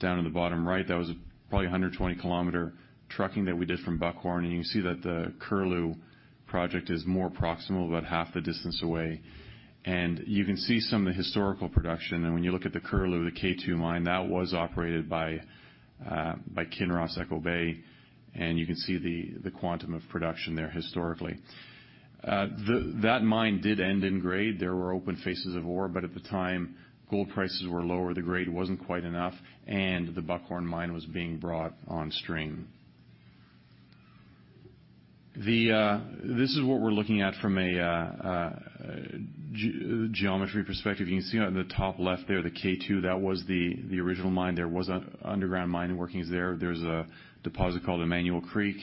S3: down in the bottom right. That was probably a 120 km trucking that we did from Buckhorn. You can see that the Curlew project is more proximal, about half the distance away. You can see some of the historical production. When you look at the Curlew, the K2 mine, that was operated by Kinross Echo Bay, and you can see the quantum of production there historically. That mine did end in grade. There were open faces of ore, but at the time, gold prices were lower, the grade wasn't quite enough, and the Buckhorn mine was being brought on stream. This is what we're looking at from a geometry perspective. You can see on the top left there, the K-2, that was the original mine. There was an underground mine workings there. There's a deposit called Emmanuel Creek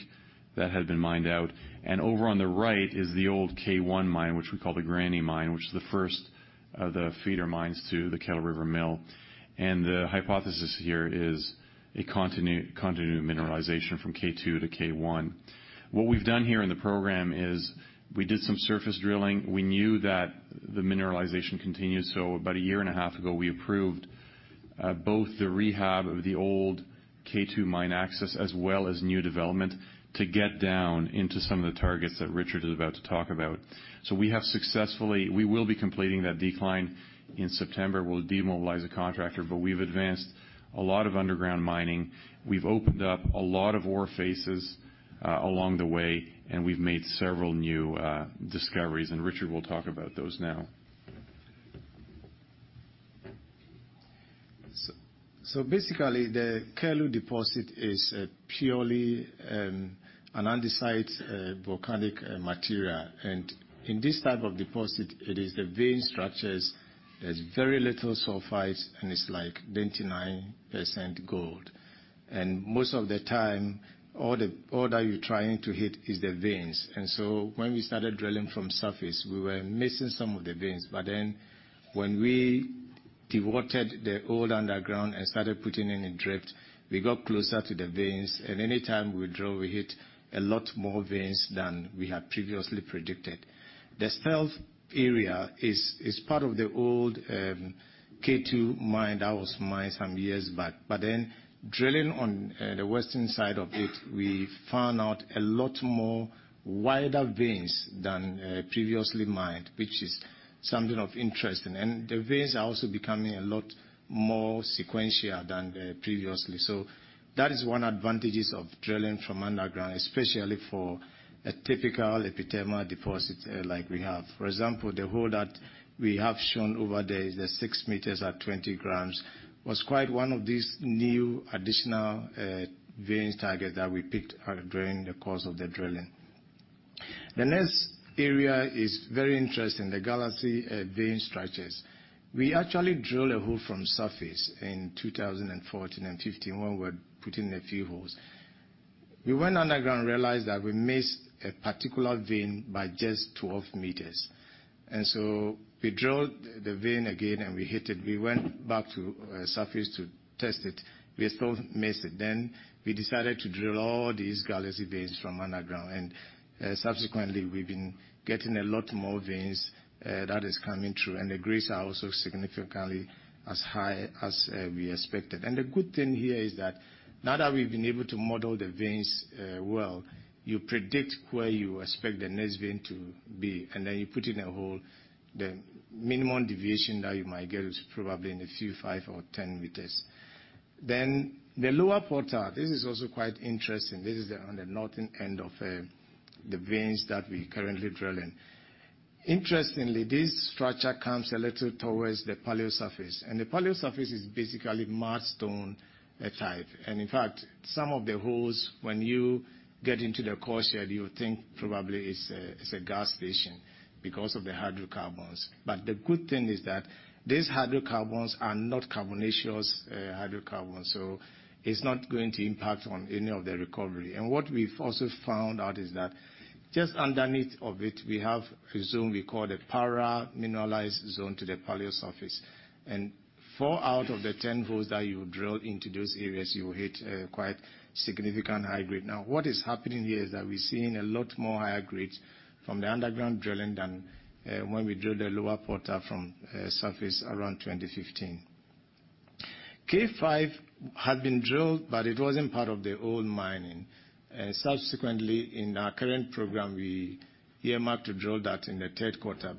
S3: that had been mined out. Over on the right is the old K1 mine, which we call the Granny Mine, which is the first of the feeder mines to the Kettle River Mill. The hypothesis here is a continuous mineralization from K2 to K1. What we've done here in the program is we did some surface drilling. We knew that the mineralization continues, so about a year and a half ago, we approved both the rehab of the old K2 mine access, as well as new development, to get down into some of the targets that Richard is about to talk about. We will be completing that decline in September. We'll demobilize the contractor, but we've advanced a lot of underground mining. We've opened up a lot of ore faces along the way, and we've made several new discoveries, and Richard will talk about those now.
S7: Basically, the Curlew deposit is purely an andesite volcanic material. In this type of deposit, it is the vein structures. There's very little sulfides, and it's like 99% gold. Most of the time, all that you're trying to hit is the veins. When we started drilling from surface, we were missing some of the veins. When we diverted the old underground and started putting in a drift, we got closer to the veins, and anytime we drill, we hit a lot more veins than we had previously predicted. The Stealth area is part of the old K2 mine that was mined some years back. Drilling on the western side of it, we found out a lot more wider veins than previously mined, which is something of interest. The veins are also becoming a lot more sequential than previously. That is one advantage of drilling from underground, especially for a typical epithermal deposit like we have. For example, the hole that we have shown over there is the 6 meters at 20 grams, was one of these new additional vein targets that we picked out during the course of the drilling. The next area is very interesting, the Galaxy vein structures. We actually drilled a hole from surface in 2014 and 2015 when we're putting a few holes. We went underground and realized that we missed a particular vein by just 12 meters. We drilled the vein again, and we hit it. We went back to surface to test it. We still missed it. We decided to drill all these Galaxy veins from underground. Subsequently, we've been getting a lot more veins that is coming through, and the grades are also significantly as high as we expected. The good thing here is that now that we've been able to model the veins, you predict where you expect the next vein to be, and then you put in a hole. The minimum deviation that you might get is probably five or ten meters. The Lower Portal, this is also quite interesting. This is on the northern end of the veins that we're currently drilling. Interestingly, this structure comes a little towards the paleosurface, and the paleosurface is basically mudstone type. In fact, some of the holes, when you get into the core shed, you think probably it's a gas station because of the hydrocarbons. The good thing is that these hydrocarbons are not carbonaceous hydrocarbons, so it's not going to impact on any of the recovery. What we've also found out is that just underneath of it, we have a zone we call the pervasively mineralized zone to the paleosurface. Four out of the 10 holes that you drill into those areas, you hit a quite significant high grade. Now, what is happening here is that we're seeing a lot more higher grades from the underground drilling than when we drilled the Lower Portal from surface around 2015. K5 had been drilled, but it wasn't part of the old mining. Subsequently, in our current program, we earmarked to drill that in the third quarter.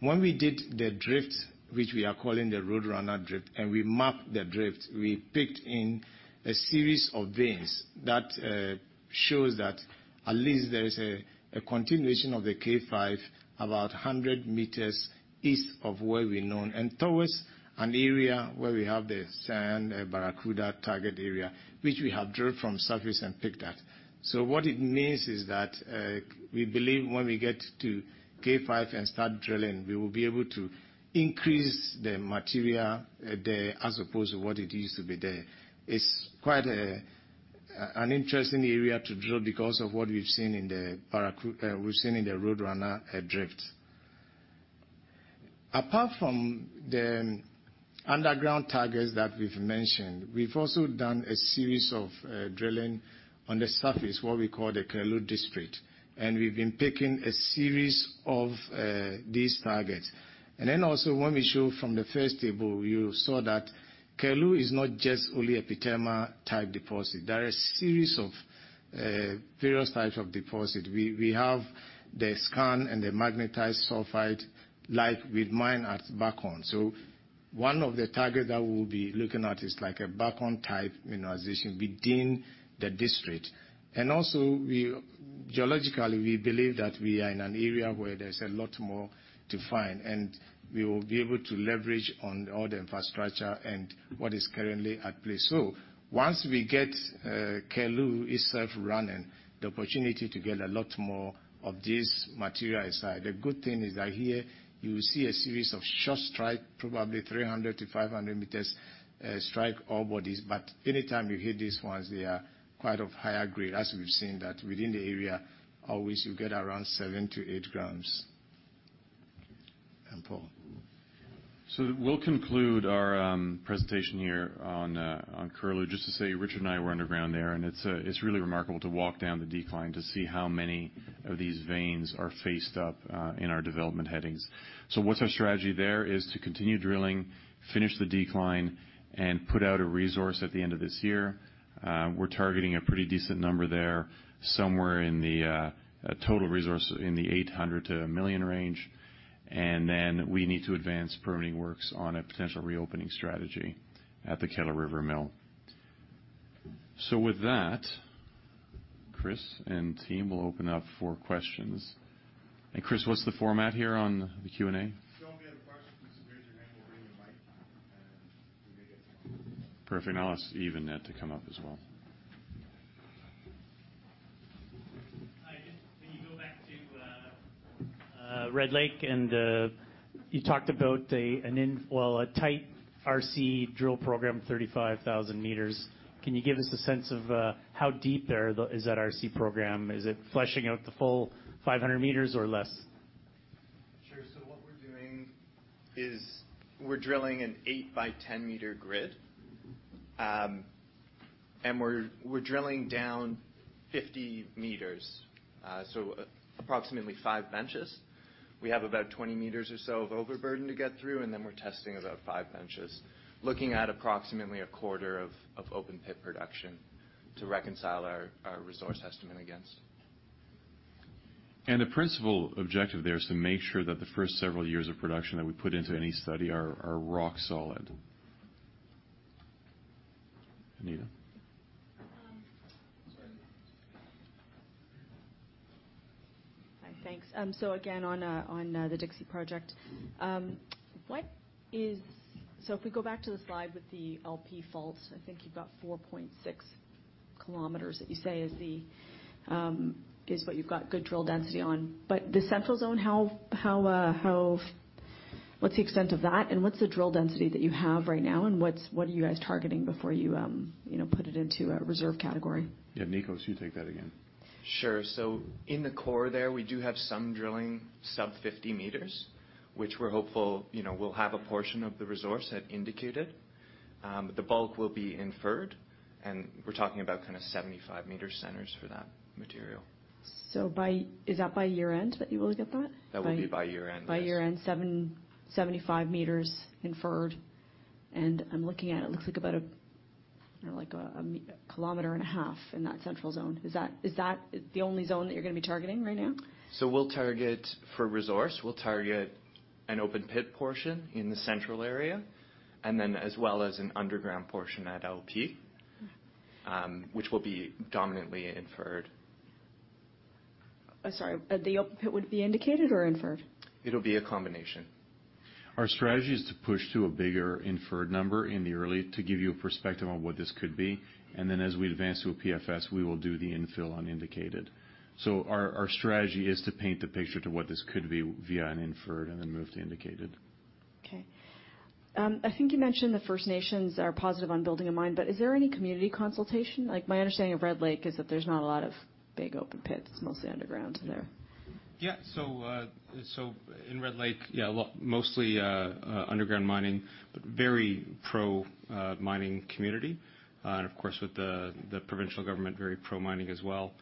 S7: When we did the drift, which we are calling the Roadrunner Drift, and we mapped the drift, we picked in a series of veins that shows that at least there is a continuation of the K5 about 100 meters east of where we known, and towards an area where we have the Cyan Barracuda target area, which we have drilled from surface and picked that. What it means is that we believe when we get to K5 and start drilling, we will be able to increase the material there as opposed to what it used to be there. It's quite an interesting area to drill because of what we've seen in the Roadrunner Drift. Apart from the underground targets that we've mentioned, we've also done a series of drilling on the surface, what we call the Yuma district, and we've been picking a series of these targets. Then also when we show from the first table, you saw that Yuma is not just only epithermal-type deposit. There are a series of various types of deposit. We have the skarn and the massive sulfide like we'd mine at Buckhorn. One of the targets that we'll be looking at is like a Buckhorn-type mineralization within the district. Also, geologically, we believe that we are in an area where there's a lot more to find, and we will be able to leverage on all the infrastructure and what is currently at play. Once we get Curlew itself running, the opportunity to get a lot more of this material aside. The good thing is that here you see a series of short strike, probably 300 meters-500 meters, strike ore bodies, but anytime you hit these ones, they are quite of higher grade, as we've seen that within the area, always you get around 7 grams-8 grams. Paul.
S3: We'll conclude our presentation here on Curlew, just to say, Richard and I were underground there, and it's really remarkable to walk down the decline to see how many of these veins are faced up in our development headings. What's our strategy there is to continue drilling, finish the decline, and put out a resource at the end of this year. We're targeting a pretty decent number there, somewhere in the total resource in the 800 to 1 million range. Then we need to advance permitting works on a potential reopening strategy at the Kettle River Mill. With that, Chris and team will open up for questions. Chris, what's the format here on the Q&A?
S1: If you have a question, just raise your hand, we'll bring the mic, and we may get to you.
S3: Perfect. I'll ask Eve and Ed to come up as well.
S9: Hi. Can you go back to Red Lake and you talked about a tight RC drill program, 35,000 meters. Can you give us a sense of how deep there is that RC program? Is it fleshing out the full 500 meters or less?
S5: Sure. What we're doing is we're drilling an 8-by-10-meter grid. We're drilling down 50 meters, so approximately 5 benches. We have about 20 meters or so of overburden to get through, and then we're testing about five benches, looking at approximately a quarter of open pit production to reconcile our resource estimate against.
S3: The principal objective there is to make sure that the first several years of production that we put into any study are rock solid. Anita?
S10: Hi. Thanks. On the Dixie project, if we go back to the slide with the LP faults, I think you've got 4.6 kilometers that you say is what you've got good drill density on. But the central zone, what's the extent of that, and what's the drill density that you have right now, and what are you guys targeting before you you know put it into a reserve category?
S3: Yeah. Nicos, you take that again.
S5: Sure. In the core there, we do have some drilling sub 50 meters, which we're hopeful, you know, will have a portion of the resource at indicated. The bulk will be inferred, and we're talking about kind of 75 meter centers for that material.
S10: Is that by year-end that you will get that?
S5: That will be by year-end, yes.
S10: By year end, 7 meters-7.5 meters inferred. I'm looking at, it looks like about, you know, a kilometer and a half in that central zone. Is that the only zone that you're gonna be targeting right now?
S5: We'll target, for resource, an open pit portion in the central area, and then as well as an underground portion at LP, which will be dominantly inferred.
S10: I'm sorry. The open pit would be indicated or inferred?
S5: It'll be a combination.
S3: Our strategy is to push to a bigger inferred number in the early to give you a perspective on what this could be. Then as we advance to a PFS, we will do the infill on indicated. Our strategy is to paint the picture to what this could be via an inferred and then move to indicated.
S10: I think you mentioned the First Nations are positive on building a mine, but is there any community consultation? Like, my understanding of Red Lake is that there's not a lot of big open pits, it's mostly underground there.
S5: In Red Lake, a lot, mostly underground mining, but very pro mining community. Of course, with the provincial government, very pro mining as well,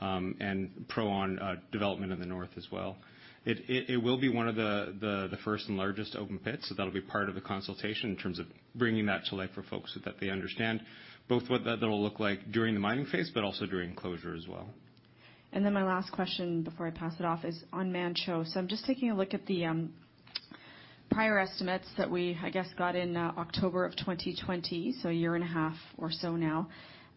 S5: and pro development in the north as well. It will be one of the first and largest open pits, so that'll be part of the consultation in terms of bringing that to life for folks so that they understand both what that'll look like during the mining phase, but also during closure as well.
S10: My last question before I pass it off is on Manh Choh. I'm just taking a look at the prior estimates that we, I guess, got in October 2020, so a year and a half or so now.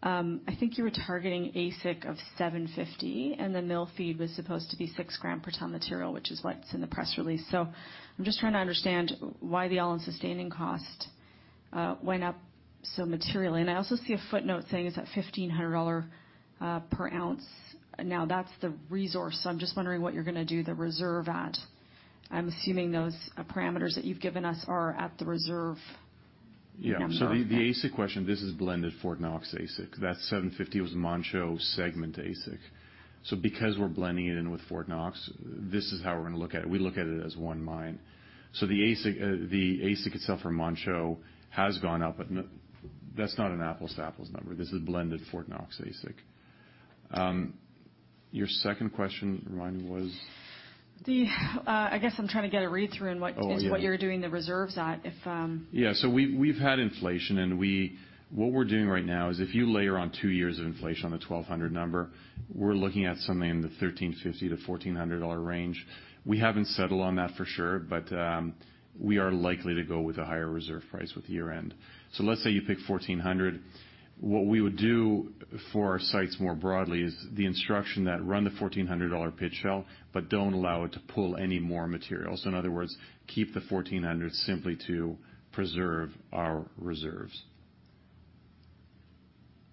S10: I think you were targeting AISC of $750, and the mill feed was supposed to be 6 gram per ton material, which is what's in the press release. I'm just trying to understand why the all-in sustaining cost went up so materially. I also see a footnote saying it's at $1,500 per oz. Now that's the resource, so I'm just wondering what you're gonna do the reserve at. I'm assuming those parameters that you've given us are at the reserve.
S3: Yeah. The AISC question, this is blended Fort Knox AISC. That $750 was Manh Choh segment AISC. Because we're blending it in with Fort Knox, this is how we're gonna look at it. We look at it as one mine. The AISC itself for Manh Choh has gone up, but that's not an apples to apples number. This is blended Fort Knox AISC. Your second question, remind me, was?
S10: I guess I'm trying to get a read on what
S3: Oh, yeah.
S10: This is what you're doing to the reserves at, if.
S3: We've had inflation. What we're doing right now is if you layer on two years of inflation on the 1,200 number, we're looking at something in the $1,350-$1,400 range. We haven't settled on that for sure, but we are likely to go with a higher reserve price at year-end. Let's say you pick 1,400. What we would do for our sites more broadly is the instruction to run the $1,400 pit shell, but don't allow it to pull any more materials. In other words, keep the 1,400 simply to preserve our reserves.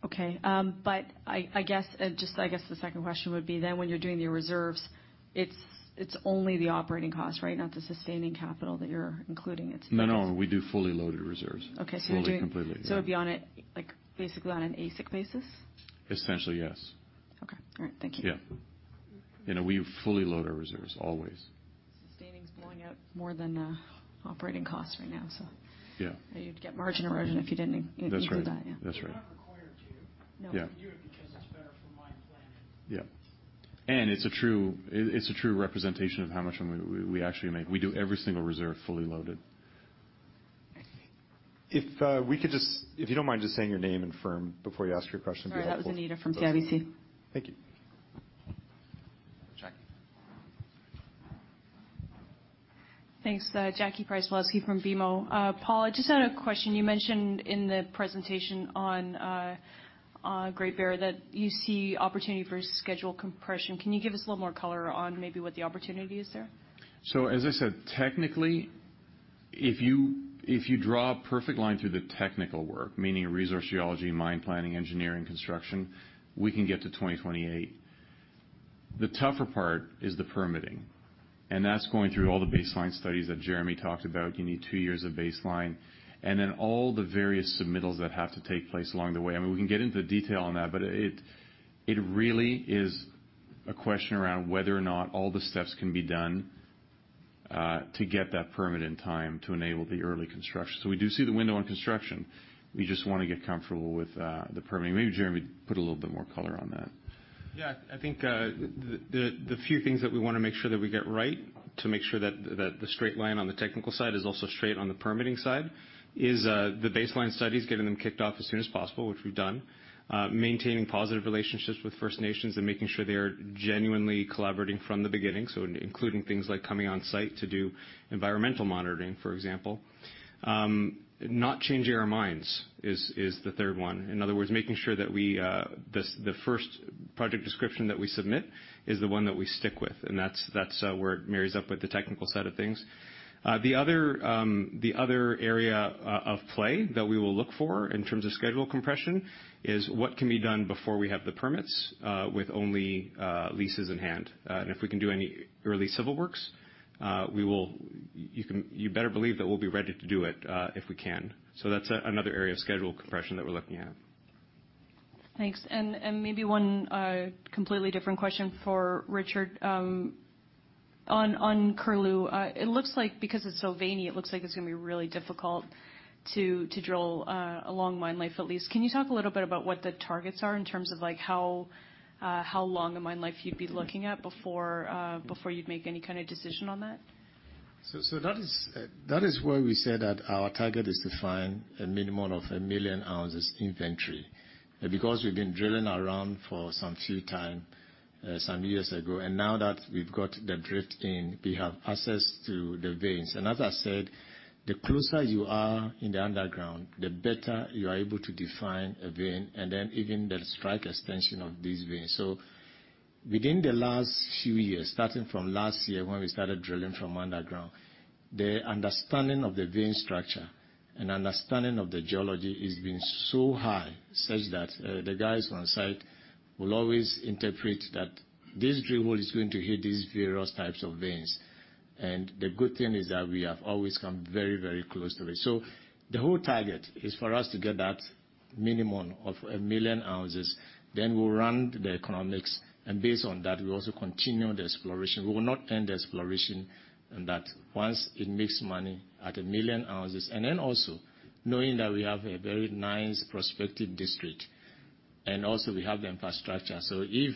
S10: I guess the second question would be then when you're doing your reserves, it's only the operating cost, right? Not the sustaining capital that you're including in this.
S3: No, we do fully loaded reserves.
S7: Okay. You're doing-
S3: Fully, completely, yeah.
S10: It'd be on a, like, basically on an AISC basis?
S3: Essentially, yes.
S10: Okay. All right, thank you.
S3: Yeah. You know, we fully load our reserves always.
S10: Sustaining's blowing out more than operating costs right now, so.
S3: Yeah.
S10: You'd get margin erosion if you didn't include that, yeah.
S3: That's right. That's right.
S7: You're not required to. No.
S3: Yeah.
S7: You do it because it's better for mine planning.
S3: Yeah. It's a true representation of how much we actually make. We do every single reserve fully loaded.
S11: I see.
S3: If you don't mind just saying your name and firm before you ask your question, that'd be helpful.
S10: Sorry, that was Anita from CIBC.
S3: Thank you.
S1: Jackie.
S12: Thanks. Jackie Przybylowski from BMO. Paul, I just had a question. You mentioned in the presentation on Great Bear that you see opportunity for schedule compression. Can you give us a little more color on maybe what the opportunity is there?
S3: As I said, technically, if you draw a perfect line through the technical work, meaning resource geology, mine planning, engineering, construction, we can get to 2028. The tougher part is the permitting, and that's going through all the baseline studies that Jeremy talked about. You need two years of baseline, and then all the various submittals that have to take place along the way. I mean, we can get into the detail on that, but it really is a question around whether or not all the steps can be done to get that permit in time to enable the early construction. We do see the window on construction. We just wanna get comfortable with the permitting. Maybe Jeremy put a little bit more color on that.
S6: Yeah. I think the few things that we wanna make sure that we get right to make sure that the straight line on the technical side is also straight on the permitting side is the baseline studies, getting them kicked off as soon as possible, which we've done, maintaining positive relationships with First Nations and making sure they are genuinely collaborating from the beginning, so including things like coming on site to do environmental monitoring, for example. Not changing our minds is the third one. In other words, making sure that the first project description that we submit is the one that we stick with, and that's where it marries up with the technical side of things. The other area of play that we will look for in terms of schedule compression is what can be done before we have the permits, with only leases in hand. If we can do any early civil works, we will. You better believe that we'll be ready to do it, if we can. That's another area of schedule compression that we're looking at.
S12: Thanks. Maybe one completely different question for Richard. On Curlew, it looks like because it's so veiny, it looks like it's gonna be really difficult to drill a long mine life, at least. Can you talk a little bit about what the targets are in terms of, like, how long a mine life you'd be looking at before you'd make any kind of decision on that?
S7: That is why we said that our target is to find a minimum of 1 million ounces inventory, because we've been drilling around for some few time, some years ago, and now that we've got the drift in, we have access to the veins. As I said, the closer you are in the underground, the better you are able to define a vein and then even the strike extension of these veins. Within the last few years, starting from last year when we started drilling from underground, the understanding of the vein structure and understanding of the geology has been so high, such that the guys on site will always interpret that this drill hole is going to hit these various types of veins. The good thing is that we have always come very, very close to it. The whole target is for us to get that minimum of 1 million oz, then we'll run the economics, and based on that, we'll also continue the exploration. We will not end the exploration in that once it makes money at 1 million oz. Then also, knowing that we have a very nice prospective district and also we have the infrastructure. If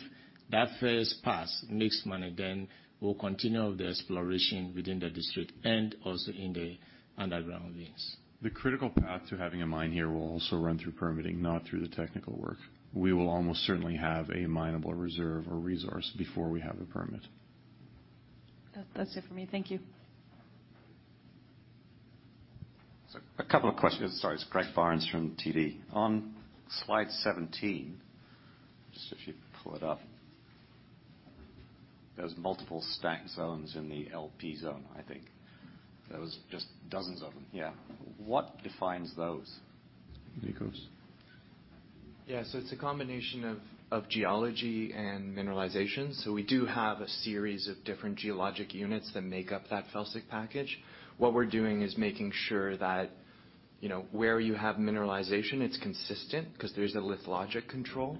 S7: that first pass makes money, then we'll continue the exploration within the district and also in the underground veins.
S3: The critical path to having a mine here will also run through permitting, not through the technical work. We will almost certainly have a minable reserve or resource before we have a permit.
S12: That, that's it for me. Thank you.
S13: A couple of questions. Sorry. It's Greg Barnes from TD. On slide 17, just if you pull it up, there's multiple stacked zones in the LP zone, I think. There was just dozens of them. Yeah. What defines those?
S3: Nicos.
S5: Yeah. It's a combination of geology and mineralization. We do have a series of different geologic units that make up that felsic package. What we're doing is making sure that, you know, where you have mineralization, it's consistent because there's a lithologic control,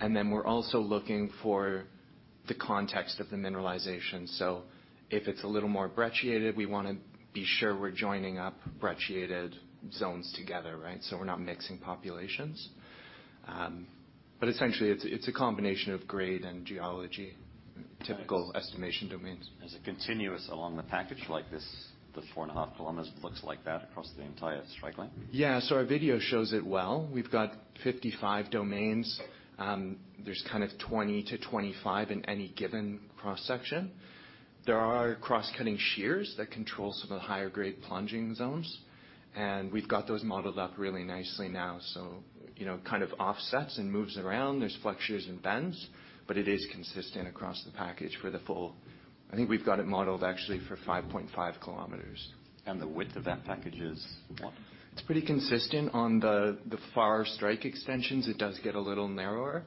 S5: and then we're also looking for The context of the mineralization. If it's a little more brecciated, we wanna be sure we're joining up brecciated zones together, right? We're not mixing populations. Essentially, it's a combination of grade and geology, typical estimation domains.
S13: Is it continuous along the package like this, the 4.5 km, looks like that across the entire strike length?
S5: Yeah. Our video shows it well. We've got 55 domains. There's kind of 20-25 in any given cross-section. There are cross-cutting shears that control some of the higher grade plunging zones, and we've got those modeled up really nicely now. You know, kind of offsets and moves around. There's flexures and bends, but it is consistent across the package for the full. I think we've got it modeled actually for 5.5 km.
S13: The width of that package is what?
S5: It's pretty consistent. On the far strike extensions, it does get a little narrower.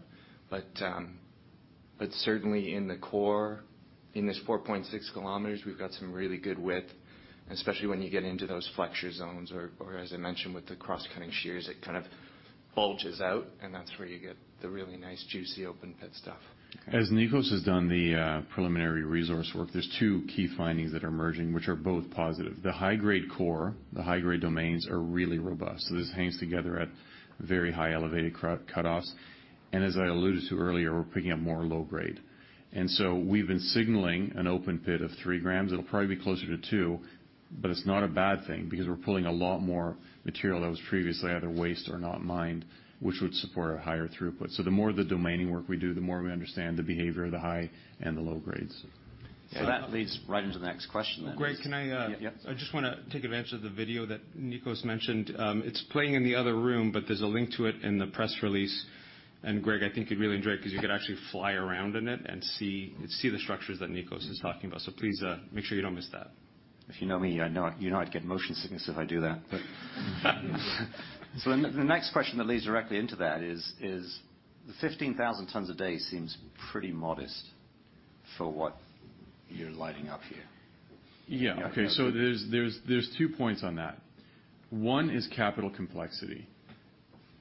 S5: Certainly in the core, in this 4.6 km, we've got some really good width, especially when you get into those flexure zones or as I mentioned, with the cross-cutting shears, it kind of bulges out, and that's where you get the really nice, juicy open pit stuff.
S3: As Nicos has done the preliminary resource work, there are 2 key findings that are emerging, which are both positive. The high grade core, the high grade domains are really robust, so this hangs together at very high, elevated cutoffs. As I alluded to earlier, we're picking up more low grade. We've been signaling an open pit of 3 grams. It'll probably be closer to 2 grams, but it's not a bad thing because we're pulling a lot more material that was previously either waste or not mined, which would support a higher throughput. The more the domaining work we do, the more we understand the behavior of the high and the low grades.
S13: That leads right into the next question then.
S3: Greg, can I?
S13: Yeah.
S3: I just wanna take advantage of the video that Nicos mentioned. It's playing in the other room, but there's a link to it in the press release. Greg, I think you'd really enjoy it 'cause you could actually fly around in it and see the structures that Nicos is talking about. Please, make sure you don't miss that.
S13: If you know me, you know I'd get motion sickness if I do that. The next question that leads directly into that is the 15,000 tons a day seems pretty modest for what you're lighting up here.
S3: Yeah. Okay. There's two points on that. One is capital complexity.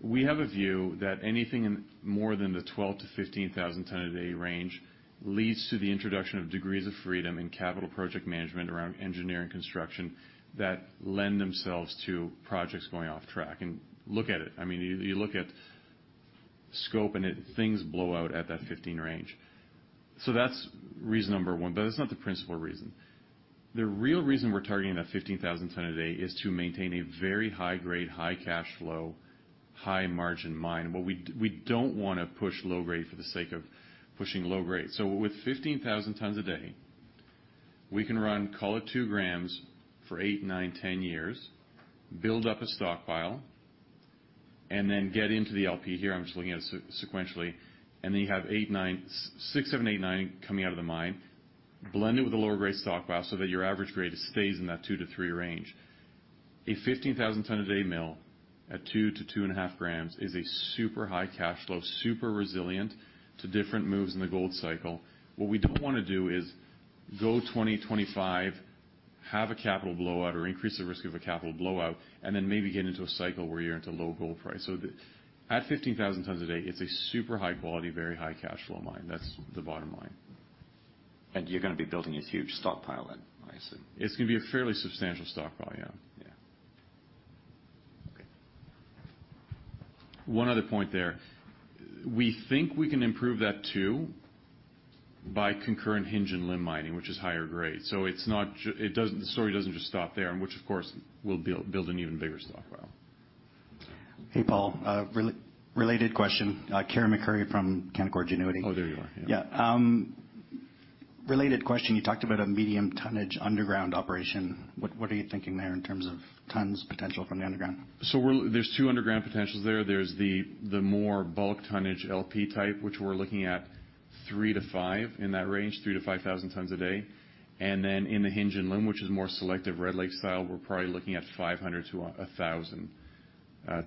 S3: We have a view that anything in more than the 12,000 ton-15,000 ton a day range leads to the introduction of degrees of freedom in capital project management around engineering construction that lend themselves to projects going off track. Look at it. I mean, you look at scope, and things blow out at that 15,000 range. That's reason number one, but that's not the principal reason. The real reason we're targeting that 15,000 ton a day is to maintain a very high grade, high cash flow, high margin mine. We don't wanna push low grade for the sake of pushing low grade. With 15,000 tons a day, we can run, call it 2 grams for eight, nine, 10 years, build up a stockpile, and then get into the LP here. I'm just looking at it sequentially. You have 8, 9, 6, 7, 8, 9 coming out of the mine, blend it with a lower grade stockpile so that your average grade stays in that 2-3 range. A 15,000 ton a day mill at 2 grams-2.5 grams is a super high cash flow, super resilient to different moves in the gold cycle. What we don't wanna do is go 20-25, have a capital blowout or increase the risk of a capital blowout, and then maybe get into a cycle where you're into low gold price. At 15,000 tons a day, it's a super high quality, very high cash flow mine. That's the bottom line.
S13: You're gonna be building this huge stockpile then, I assume.
S3: It's gonna be a fairly substantial stockpile, yeah.
S13: Yeah. Okay.
S3: One other point there. We think we can improve that too by concurrent hinge and limb mining, which is higher grade. It's not the story doesn't just stop there, and which of course will build an even bigger stockpile.
S14: Hey, Paul. A related question. Carey MacRury from Canaccord Genuity.
S3: Oh, there you are. Yeah.
S14: Yeah. Related question, you talked about a medium tonnage underground operation. What are you thinking there in terms of tons potential from the underground?
S3: There's two underground potentials there. There's the more bulk tonnage LP type, which we're looking at 3-5, in that range, 3,000-5,000 tons a day. Then in the hinge and limb, which is more selective Red Lake style, we're probably looking at 500 tons-1,000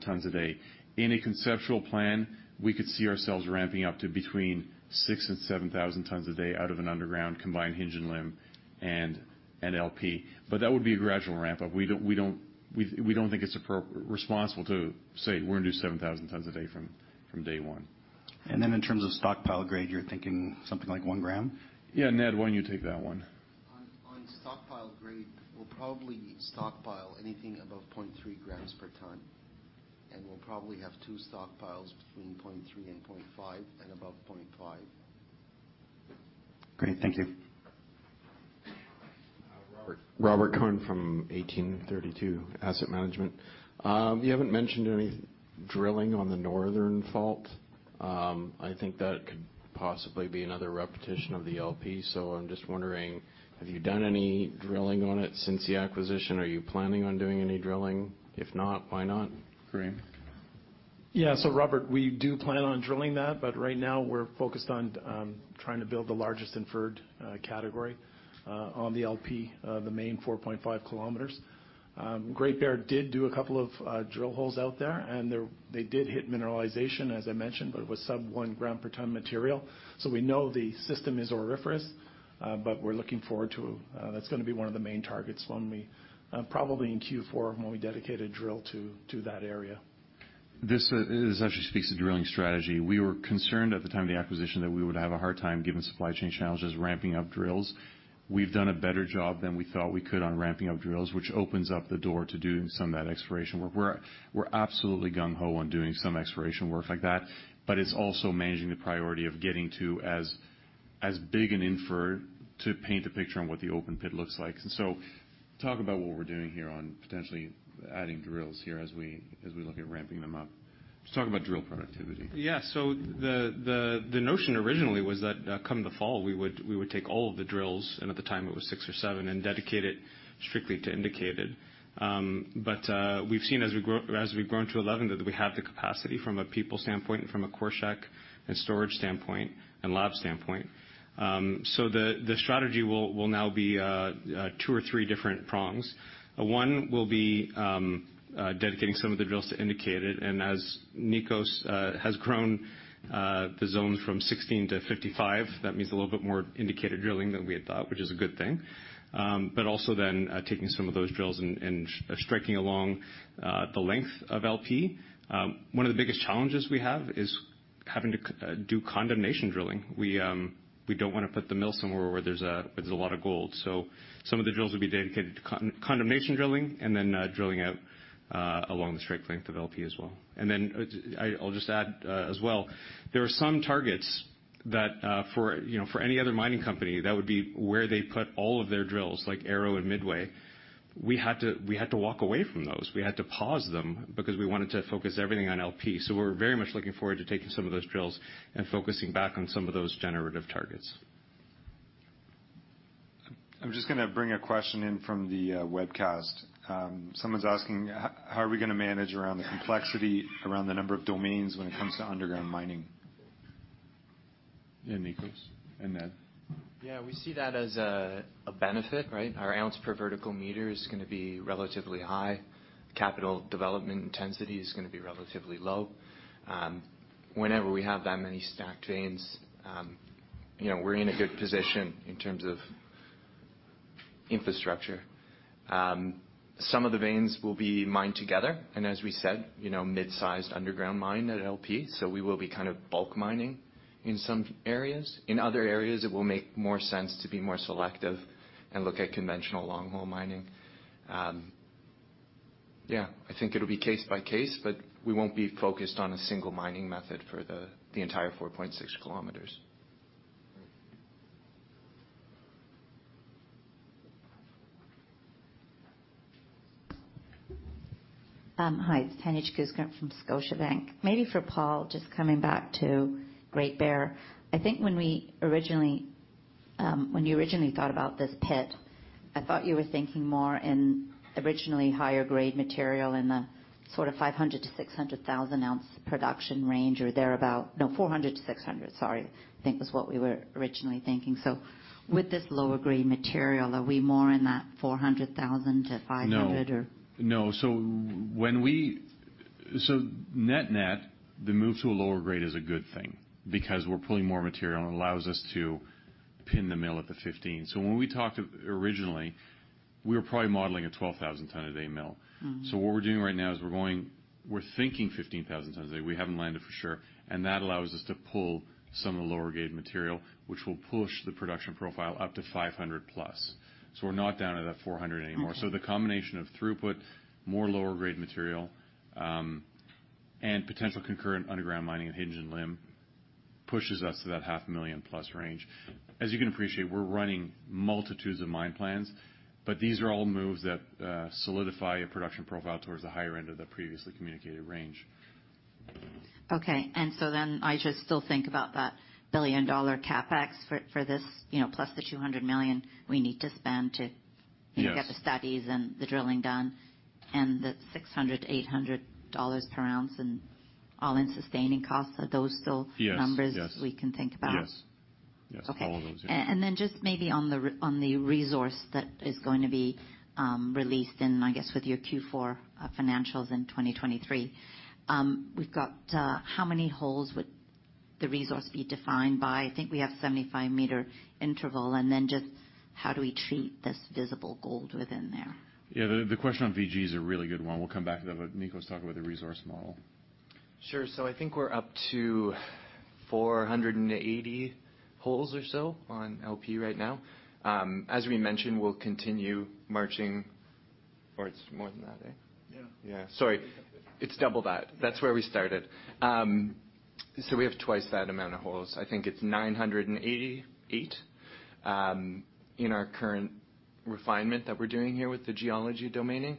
S3: tons a day. In a conceptual plan, we could see ourselves ramping up to between 6,000 tons-7,000 tons a day out of an underground combined hinge and limb and an LP. That would be a gradual ramp up. We don't think it's responsible to say we're gonna do 7,000 tons a day from day one.
S14: In terms of stockpile grade, you're thinking something like one gram?
S3: Yeah. Ned, why don't you take that one?
S15: On stockpile grade, we'll probably stockpile anything above 0.3 grams per ton, and we'll probably have two stockpiles between 0.3 grams and 0.5 grams and above 0.5 grams.
S14: Great. Thank you.
S16: Robert Cohen from 1832 Asset Management. You haven't mentioned any drilling on the northern fault. I think that could possibly be another repetition of the LP. I'm just wondering, have you done any drilling on it since the acquisition? Are you planning on doing any drilling? If not, why not?
S3: Graham?
S4: Yeah. Robert, we do plan on drilling that, but right now we're focused on trying to build the largest inferred category on the LP, the main 4.5 km. Great Bear did do a couple of drill holes out there, and they did hit mineralization, as I mentioned, but it was sub 1 gram per ton material. We know the system is auriferous, but we're looking forward to that. That's gonna be one of the main targets when we probably in Q4, when we dedicate a drill to that area.
S3: This, this actually speaks to drilling strategy. We were concerned at the time of the acquisition that we would have a hard time, given supply chain challenges, ramping up drills. We've done a better job than we thought we could on ramping up drills, which opens up the door to doing some of that exploration work. We're absolutely Gung ho on doing some exploration work like that, but it's also managing the priority of getting to as big an inferred to paint the picture on what the open pit looks like. Talk about what we're doing here on potentially adding drills here as we look at ramping them up. Just talk about drill productivity.
S6: Yeah. The notion originally was that come the fall, we would take all of the drills, and at the time it was six or seven, and dedicate it strictly to indicated. We've seen as we've grown to 11 that we have the capacity from a people standpoint, and from a core shack and storage standpoint and lab standpoint. The strategy will now be two or three different prongs. One will be dedicating some of the drills to indicated, and as Nicos has grown the zones from 16 to 55, that means a little bit more indicated drilling than we had thought, which is a good thing. Also then taking some of those drills and striking along the length of LP. One of the biggest challenges we have is having to do condemnation drilling. We don't wanna put the mill somewhere where there's a lot of gold. Some of the drills will be dedicated to condemnation drilling and then drilling out along the strike length of LP as well. I'll just add as well, there are some targets that for you know for any other mining company that would be where they put all of their drills like Arrow and Midwest. We had to walk away from those. We had to pause them because we wanted to focus everything on LP. We're very much looking forward to taking some of those drills and focusing back on some of those generative targets.
S3: I'm just gonna bring a question in from the webcast. Someone's asking how are we gonna manage around the complexity around the number of domains when it comes to underground mining? Yeah, Nico and Ed.
S5: Yeah, we see that as a benefit, right? Our ounce per vertical meter is gonna be relatively high. Capital development intensity is gonna be relatively low. Whenever we have that many stacked veins, you know, we're in a good position in terms of infrastructure. Some of the veins will be mined together, and as we said, you know, mid-sized underground mine at LP, so we will be kind of bulk mining in some areas. In other areas, it will make more sense to be more selective and look at conventional long hole mining. Yeah, I think it'll be case by case, but we won't be focused on a single mining method for the entire 4.6 kilometers.
S6: Right.
S17: Hi, it's Tanya Jakusconek from Scotiabank. Maybe for Paul, just coming back to Great Bear. I think when we originally, when you originally thought about this pit, I thought you were thinking more in originally higher grade material in the sort of 500-600 thousand oz production range or thereabout. No, 400-600, sorry, I think was what we were originally thinking. With this lower grade material, are we more in that 400 thousand to 500 or?
S3: No. Net-net, the move to a lower grade is a good thing because we're pulling more material and allows us to run the mill at the 15. When we talked originally, we were probably modeling a 12,000-ton-a-day mill.
S17: Mm-hmm.
S3: What we're doing right now is we're going, we're thinking 15,000 tons a day. We haven't landed for sure. That allows us to pull some of the lower grade material, which will push the production profile up to 500+. We're not down at that 400 anymore.
S18: Okay.
S3: The combination of throughput, more lower grade material, and potential concurrent underground mining of hinge and limb pushes us to that half a million plus range. As you can appreciate, we're running multitudes of mine plans, but these are all moves that solidify a production profile towards the higher end of the previously communicated range.
S17: I just still think about that $1 billion CapEx for this, you know, plus the $200 million we need to spend to-
S3: Yes.
S17: get the studies and the drilling done and the $600-$800 per oz and all-in sustaining costs. Are those still-
S3: Yes. Yes.
S17: Numbers we can think about?
S3: Yes. Yes, all those. Yeah.
S17: Then just maybe on the resource that is going to be released in, I guess, with your Q4 financials in 2023. We've got how many holes would the resource be defined by? I think we have 75-meter interval. Then just how do we treat this visible gold within there?
S3: Yeah, the question on VG is a really good one. We'll come back to that, but Nicos, talk about the resource model.
S5: Sure. I think we're up to 480 holes or so on LP right now. As we mentioned, we'll continue marching. It's more than that, eh?
S3: Yeah.
S5: Yeah. Sorry. It's double that. That's where we started. We have twice that amount of holes. I think it's 988 in our current refinement that we're doing here with the geology domain.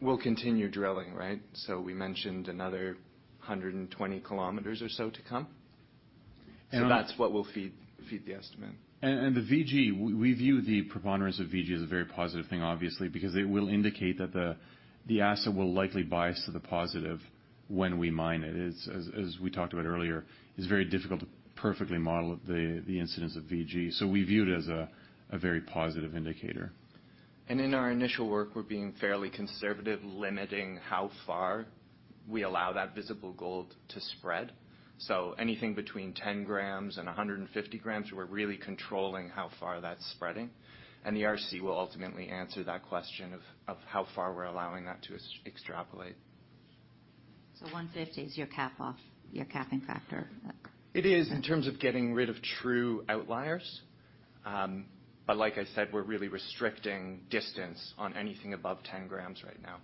S5: We'll continue drilling, right? We mentioned another 120 km or so to come.
S3: And-
S5: That's what we'll feed the estimate.
S3: The VG, we view the preponderance of VG as a very positive thing, obviously, because it will indicate that the asset will likely bias to the positive when we mine it. It, as we talked about earlier, is very difficult to perfectly model the incidence of VG. We view it as a very positive indicator.
S5: In our initial work, we're being fairly conservative, limiting how far.
S3: We allow that visible gold to spread. Anything between 10 grams and 150 grams, we're really controlling how far that's spreading. The RC will ultimately answer that question of how far we're allowing that to extrapolate.
S17: 150 gram is your cap off, your capping factor?
S3: It is in terms of getting rid of true outliers. Like I said, we're really restricting distance on anything above 10 grams right now.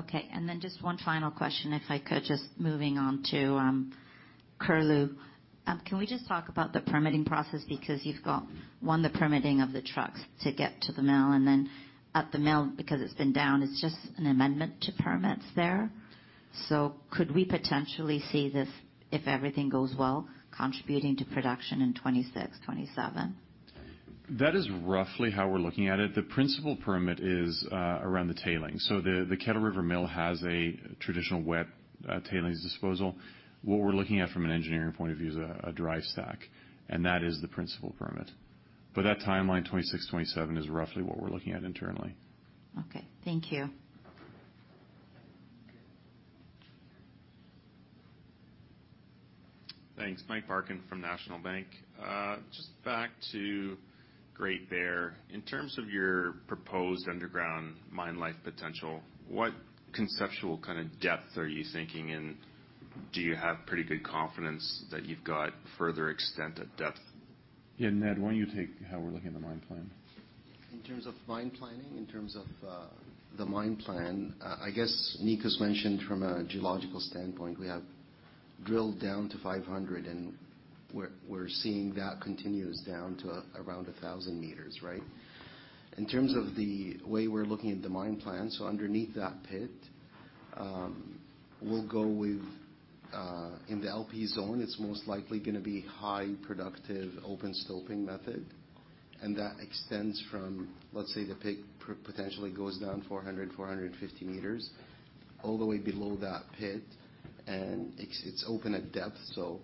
S17: Okay. Then just one final question, if I could. Just moving on to Curlew. Can we just talk about the permitting process? Because you've got, one, the permitting of the trucks to get to the mill, and then at the mill, because it's been down, it's just an amendment to permits there. Could we potentially see this, if everything goes well, contributing to production in 2026-2027?
S3: That is roughly how we're looking at it. The principal permit is around the tailings. The Kettle River mill has a traditional wet tailings disposal. What we're looking at from an engineering point of view is a dry stack, and that is the principal permit. That timeline, 2026-2027, is roughly what we're looking at internally.
S17: Okay, thank you.
S19: Thanks. Mike Parkin from National Bank. Just back to Great Bear. In terms of your proposed underground mine life potential, what conceptual kind of depth are you thinking in? Do you have pretty good confidence that you've got further extent at depth?
S3: Yeah. Ned, why don't you take how we're looking at the mine plan.
S15: In terms of mine planning, in terms of the mine plan, I guess Nicos mentioned from a geological standpoint, we have drilled down to 500 meter, and we're seeing that continues down to around 1,000 meters, right? In terms of the way we're looking at the mine plan, underneath that pit, we'll go with in the LP zone, it's most likely gonna be highly productive open stoping method. That extends from, let's say, the pit potentially goes down 400 meters-450 meters, all the way below that pit, and it's open at depth, so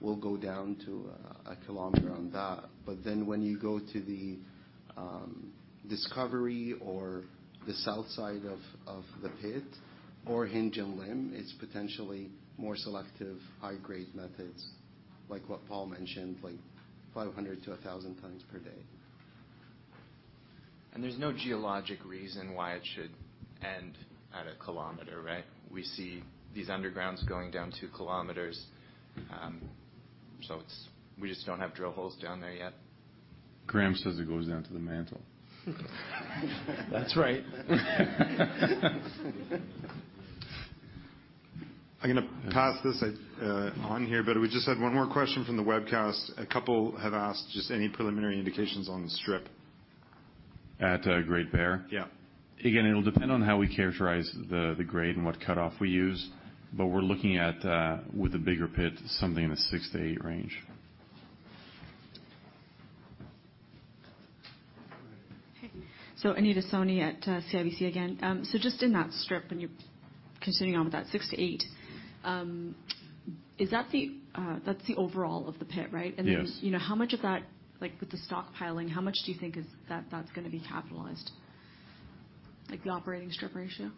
S15: we'll go down to a 1 km on that. When you go to the discovery or the south side of the pit or hinge and limb, it's potentially more selective high-grade methods, like what Paul mentioned, like 500 tons-1,000 tons per day.
S19: There's no geologic reason why it should end at a kilometer, right? We see these undergrounds going down 2 km. We just don't have drill holes down there yet.
S3: Graham says it goes down to the mantle.
S4: That's right.
S1: I'm gonna pass this on here, but we just had one more question from the webcast. A couple have asked just any preliminary indications on the strip.
S3: At Great Bear?
S16: Yeah.
S3: Again, it'll depend on how we characterize the grade and what cutoff we use, but we're looking at, with a bigger pit, something in the 6-8 range.
S10: Okay. Anita Soni at CIBC again. Just in that strip, and you're continuing on with that 6-8, that's the overall of the pit, right?
S3: Yes.
S10: You know, how much of that, like, with the stockpiling, how much do you think is, that that's gonna be capitalized? Like the operating strip ratio.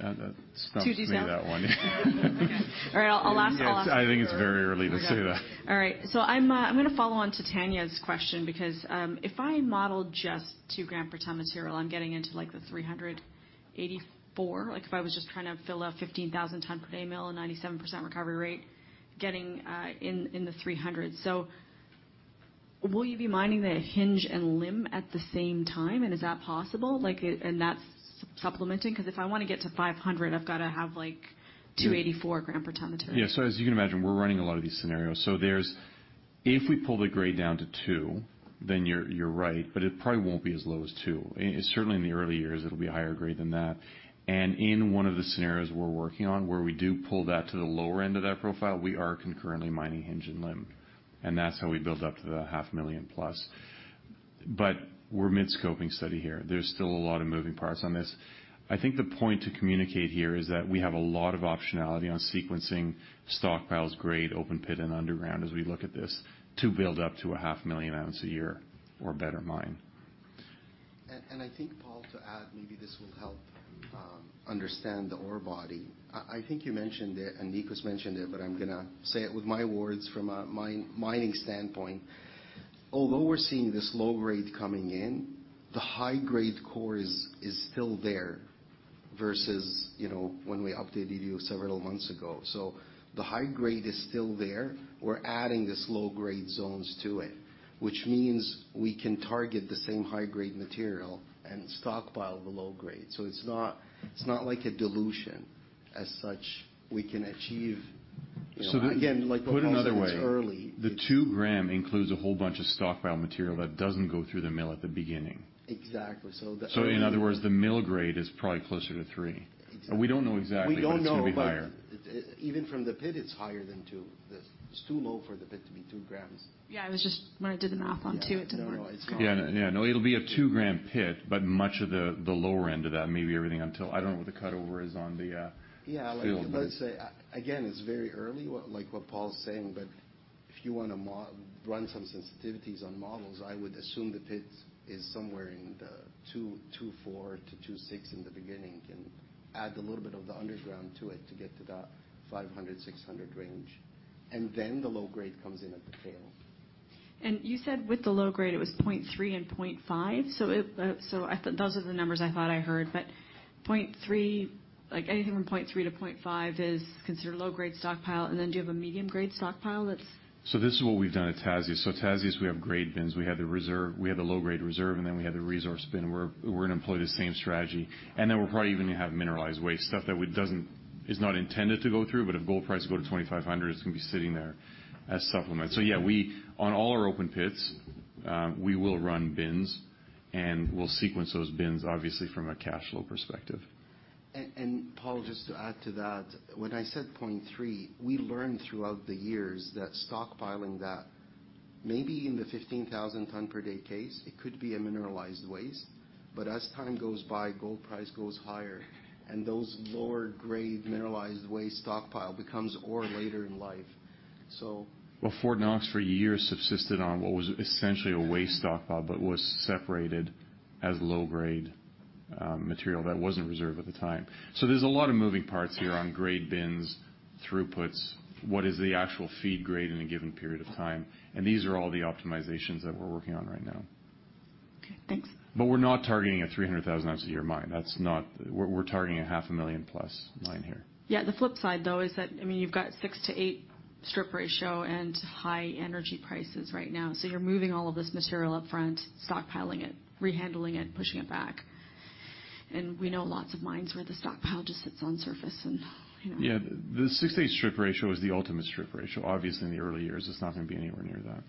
S3: That stumps me, that one.
S10: two to three now? All right, I'll ask-
S3: I think it's very early to say that.
S10: All right. I'm gonna follow on to Tanya's question because if I model just two grams per ton material, I'm getting into, like, the 384. Like, if I was just trying to fill a 15,000 ton per day mill and 97% recovery rate, getting in the 300s. Will you be mining the hinge and limb at the same time? And is that possible? Like, and that's supplementing? 'Cause if I wanna get to 500, I've gotta have, like, 2.84 grams per ton material.
S3: Yeah. As you can imagine, we're running a lot of these scenarios. There's, if we pull the grade down to two then you're right. It probably won't be as low as two. Certainly in the early years, it'll be a higher grade than that. In one of the scenarios we're working on where we do pull that to the lower end of that profile, we are concurrently mining hinge and limb, and that's how we build up to the half million plus. We're in the scoping study here. There's still a lot of moving parts on this. I think the point to communicate here is that we have a lot of optionality on sequencing, stockpiles, grade, open pit, and underground as we look at this to build up to a 500,000 ounce a year or a better mine.
S5: I think, Paul, to add, maybe this will help understand the ore body. I think you mentioned it, and Nicos mentioned it, but I'm gonna say it with my words from a mining standpoint. Although we're seeing this low grade coming in, the high grade core is still there versus, you know, when we updated you several months ago. The high grade is still there. We're adding these low grade zones to it, which means we can target the same high grade material and stockpile the low grade. It's not like a dilution as such. We can achieve, you know, again, like Paul said, it's early.
S3: Put another way, the 2 gram includes a whole bunch of stockpile material that doesn't go through the mill at the beginning.
S5: Exactly.
S3: In other words, the mill grade is probably closer to 3 gram.
S1: Exactly.
S3: We don't know exactly, but it's gonna be higher.
S5: We don't know, but even from the pit, it's higher than 2 gram. It's too low for the pit to be 2 grams.
S10: Yeah, it was just when I did the math on two, it didn't work.
S3: No, no, it's not. Yeah. No, it'll be a 2 gram pit, but much of the lower end of that may be everything until I don't know what the cutoff is on the field, but.
S5: Yeah, like I say, again, it's very early, what, like what Paul's saying, but. If you wanna run some sensitivities on models, I would assume the pit is somewhere in the 2.4gram-2.6 gram in the beginning, can add a little bit of the underground to it to get to that 500-600 range. Then the low grade comes in at the tail.
S10: You said, with the low grade, it was 0.3 and 0.5. Those are the numbers I thought I heard. But point three, like, anything from 0.3 to 0.5 is considered low grade stockpile. Then do you have a medium grade stockpile that's
S3: This is what we've done at Tasiast. Tasiast, we have grade bins. We have the reserve, we have the low grade reserve, and then we have the resource bin where we're gonna employ the same strategy. Then we'll probably even have mineralized waste, stuff that is not intended to go through, but if gold prices go to $2,500, it's gonna be sitting there as supplement. Yeah, we, on all our open pits, we will run bins, and we'll sequence those bins obviously from a cash flow perspective.
S8: Paul, just to add to that, when I said 0.3, we learned throughout the years that stockpiling that maybe in the 15,000 ton per day case, it could be a mineralized waste. As time goes by, gold price goes higher, and those lower grade mineralized waste stockpile becomes ore later in life, so.
S3: Well, Fort Knox, for years, subsisted on what was essentially a waste stockpile, but was separated as low-grade material that wasn't reserved at the time. There's a lot of moving parts here on grade bins, throughputs, what is the actual feed grade in a given period of time, and these are all the optimizations that we're working on right now.
S10: Okay. Thanks.
S3: We're not targeting a 300,000 oz a year mine. We're targeting a 500,000 plus mine here.
S10: Yeah, the flip side, though, is that, I mean, you've got 6-8 strip ratio and high energy prices right now. You're moving all of this material up front, stockpiling it, rehandling it, pushing it back. We know lots of mines where the stockpile just sits on surface and, you know.
S3: Yeah. The 6-8 strip ratio is the ultimate strip ratio. Obviously, in the early years it's not gonna be anywhere near that.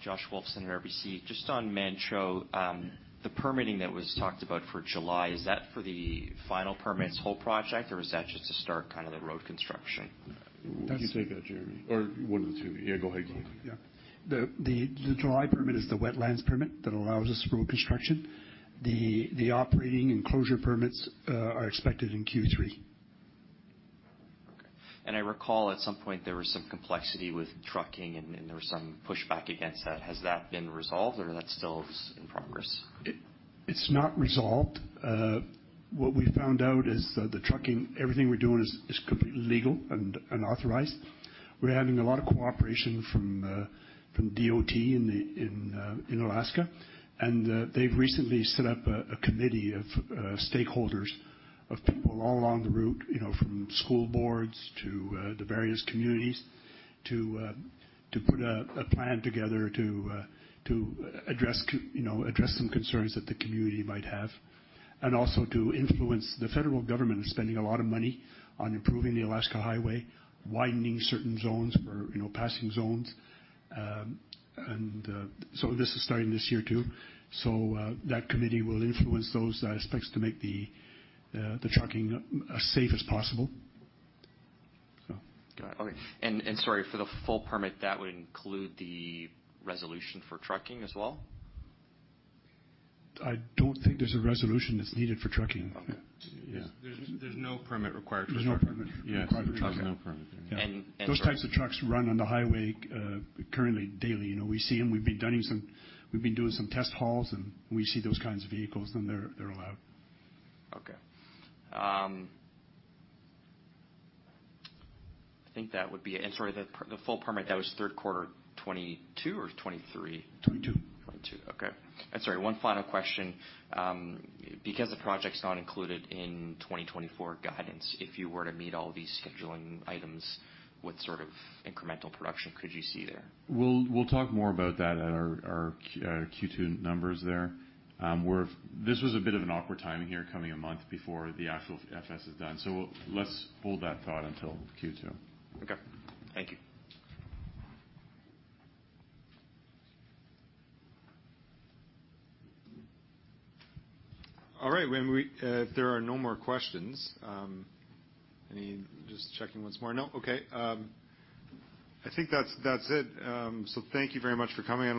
S10: Okay. Thanks.
S20: Josh Wolfson, RBC. Just on Manh Choh, the permitting that was talked about for July, is that for the final permits for the whole project, or is that just to start kinda the road construction?
S3: I can take that, Jeremy.
S6: One of the two. Yeah, go ahead.
S8: Yeah. The July permit is the wetlands permit that allows us road construction. The operating and closure permits are expected in Q3.
S20: Okay. I recall at some point there was some complexity with trucking and there was some pushback against that. Has that been resolved, or is that still in progress?
S8: It's not resolved. What we found out is that the trucking, everything we're doing is completely legal and authorized. We're having a lot of cooperation from DOT in Alaska. They've recently set up a committee of stakeholders, of people all along the route, you know, from school boards to the various communities to put a plan together to address some concerns that the community might have. Also to influence. The federal government is spending a lot of money on improving the Alaska Highway, widening certain zones for, you know, passing zones. This is starting this year too. That committee will influence those aspects to make the trucking as safe as possible, so.
S20: Got it. Okay. Sorry, for the full permit, that would include the resolution for trucking as well?
S8: I don't think there's a resolution that's needed for trucking.
S3: Okay.
S8: Yeah.
S3: There's no permit required for trucking.
S8: There's no permit required for trucking.
S3: There's no permit. Yeah.
S20: And, and-
S8: Those types of trucks run on the highway currently daily. You know, we see them. We've been doing some test hauls, and we see those kinds of vehicles, and they're allowed.
S21: I think that would be it. Sorry, the full permit, that was third quarter 2022 or 2023?
S8: 2022.
S20: Okay. Sorry, one final question. Because the project's not included in 2024 guidance, if you were to meet all these scheduling items, what sort of incremental production could you see there?
S3: We'll talk more about that at our Q2 numbers there. This was a bit of an awkward timing here, coming a month before the actual FS is done. Let's hold that thought until Q2.
S20: Okay. Thank you.
S3: All right. If there are no more questions, just checking once more. No? Okay. I think that's it. Thank you very much for coming.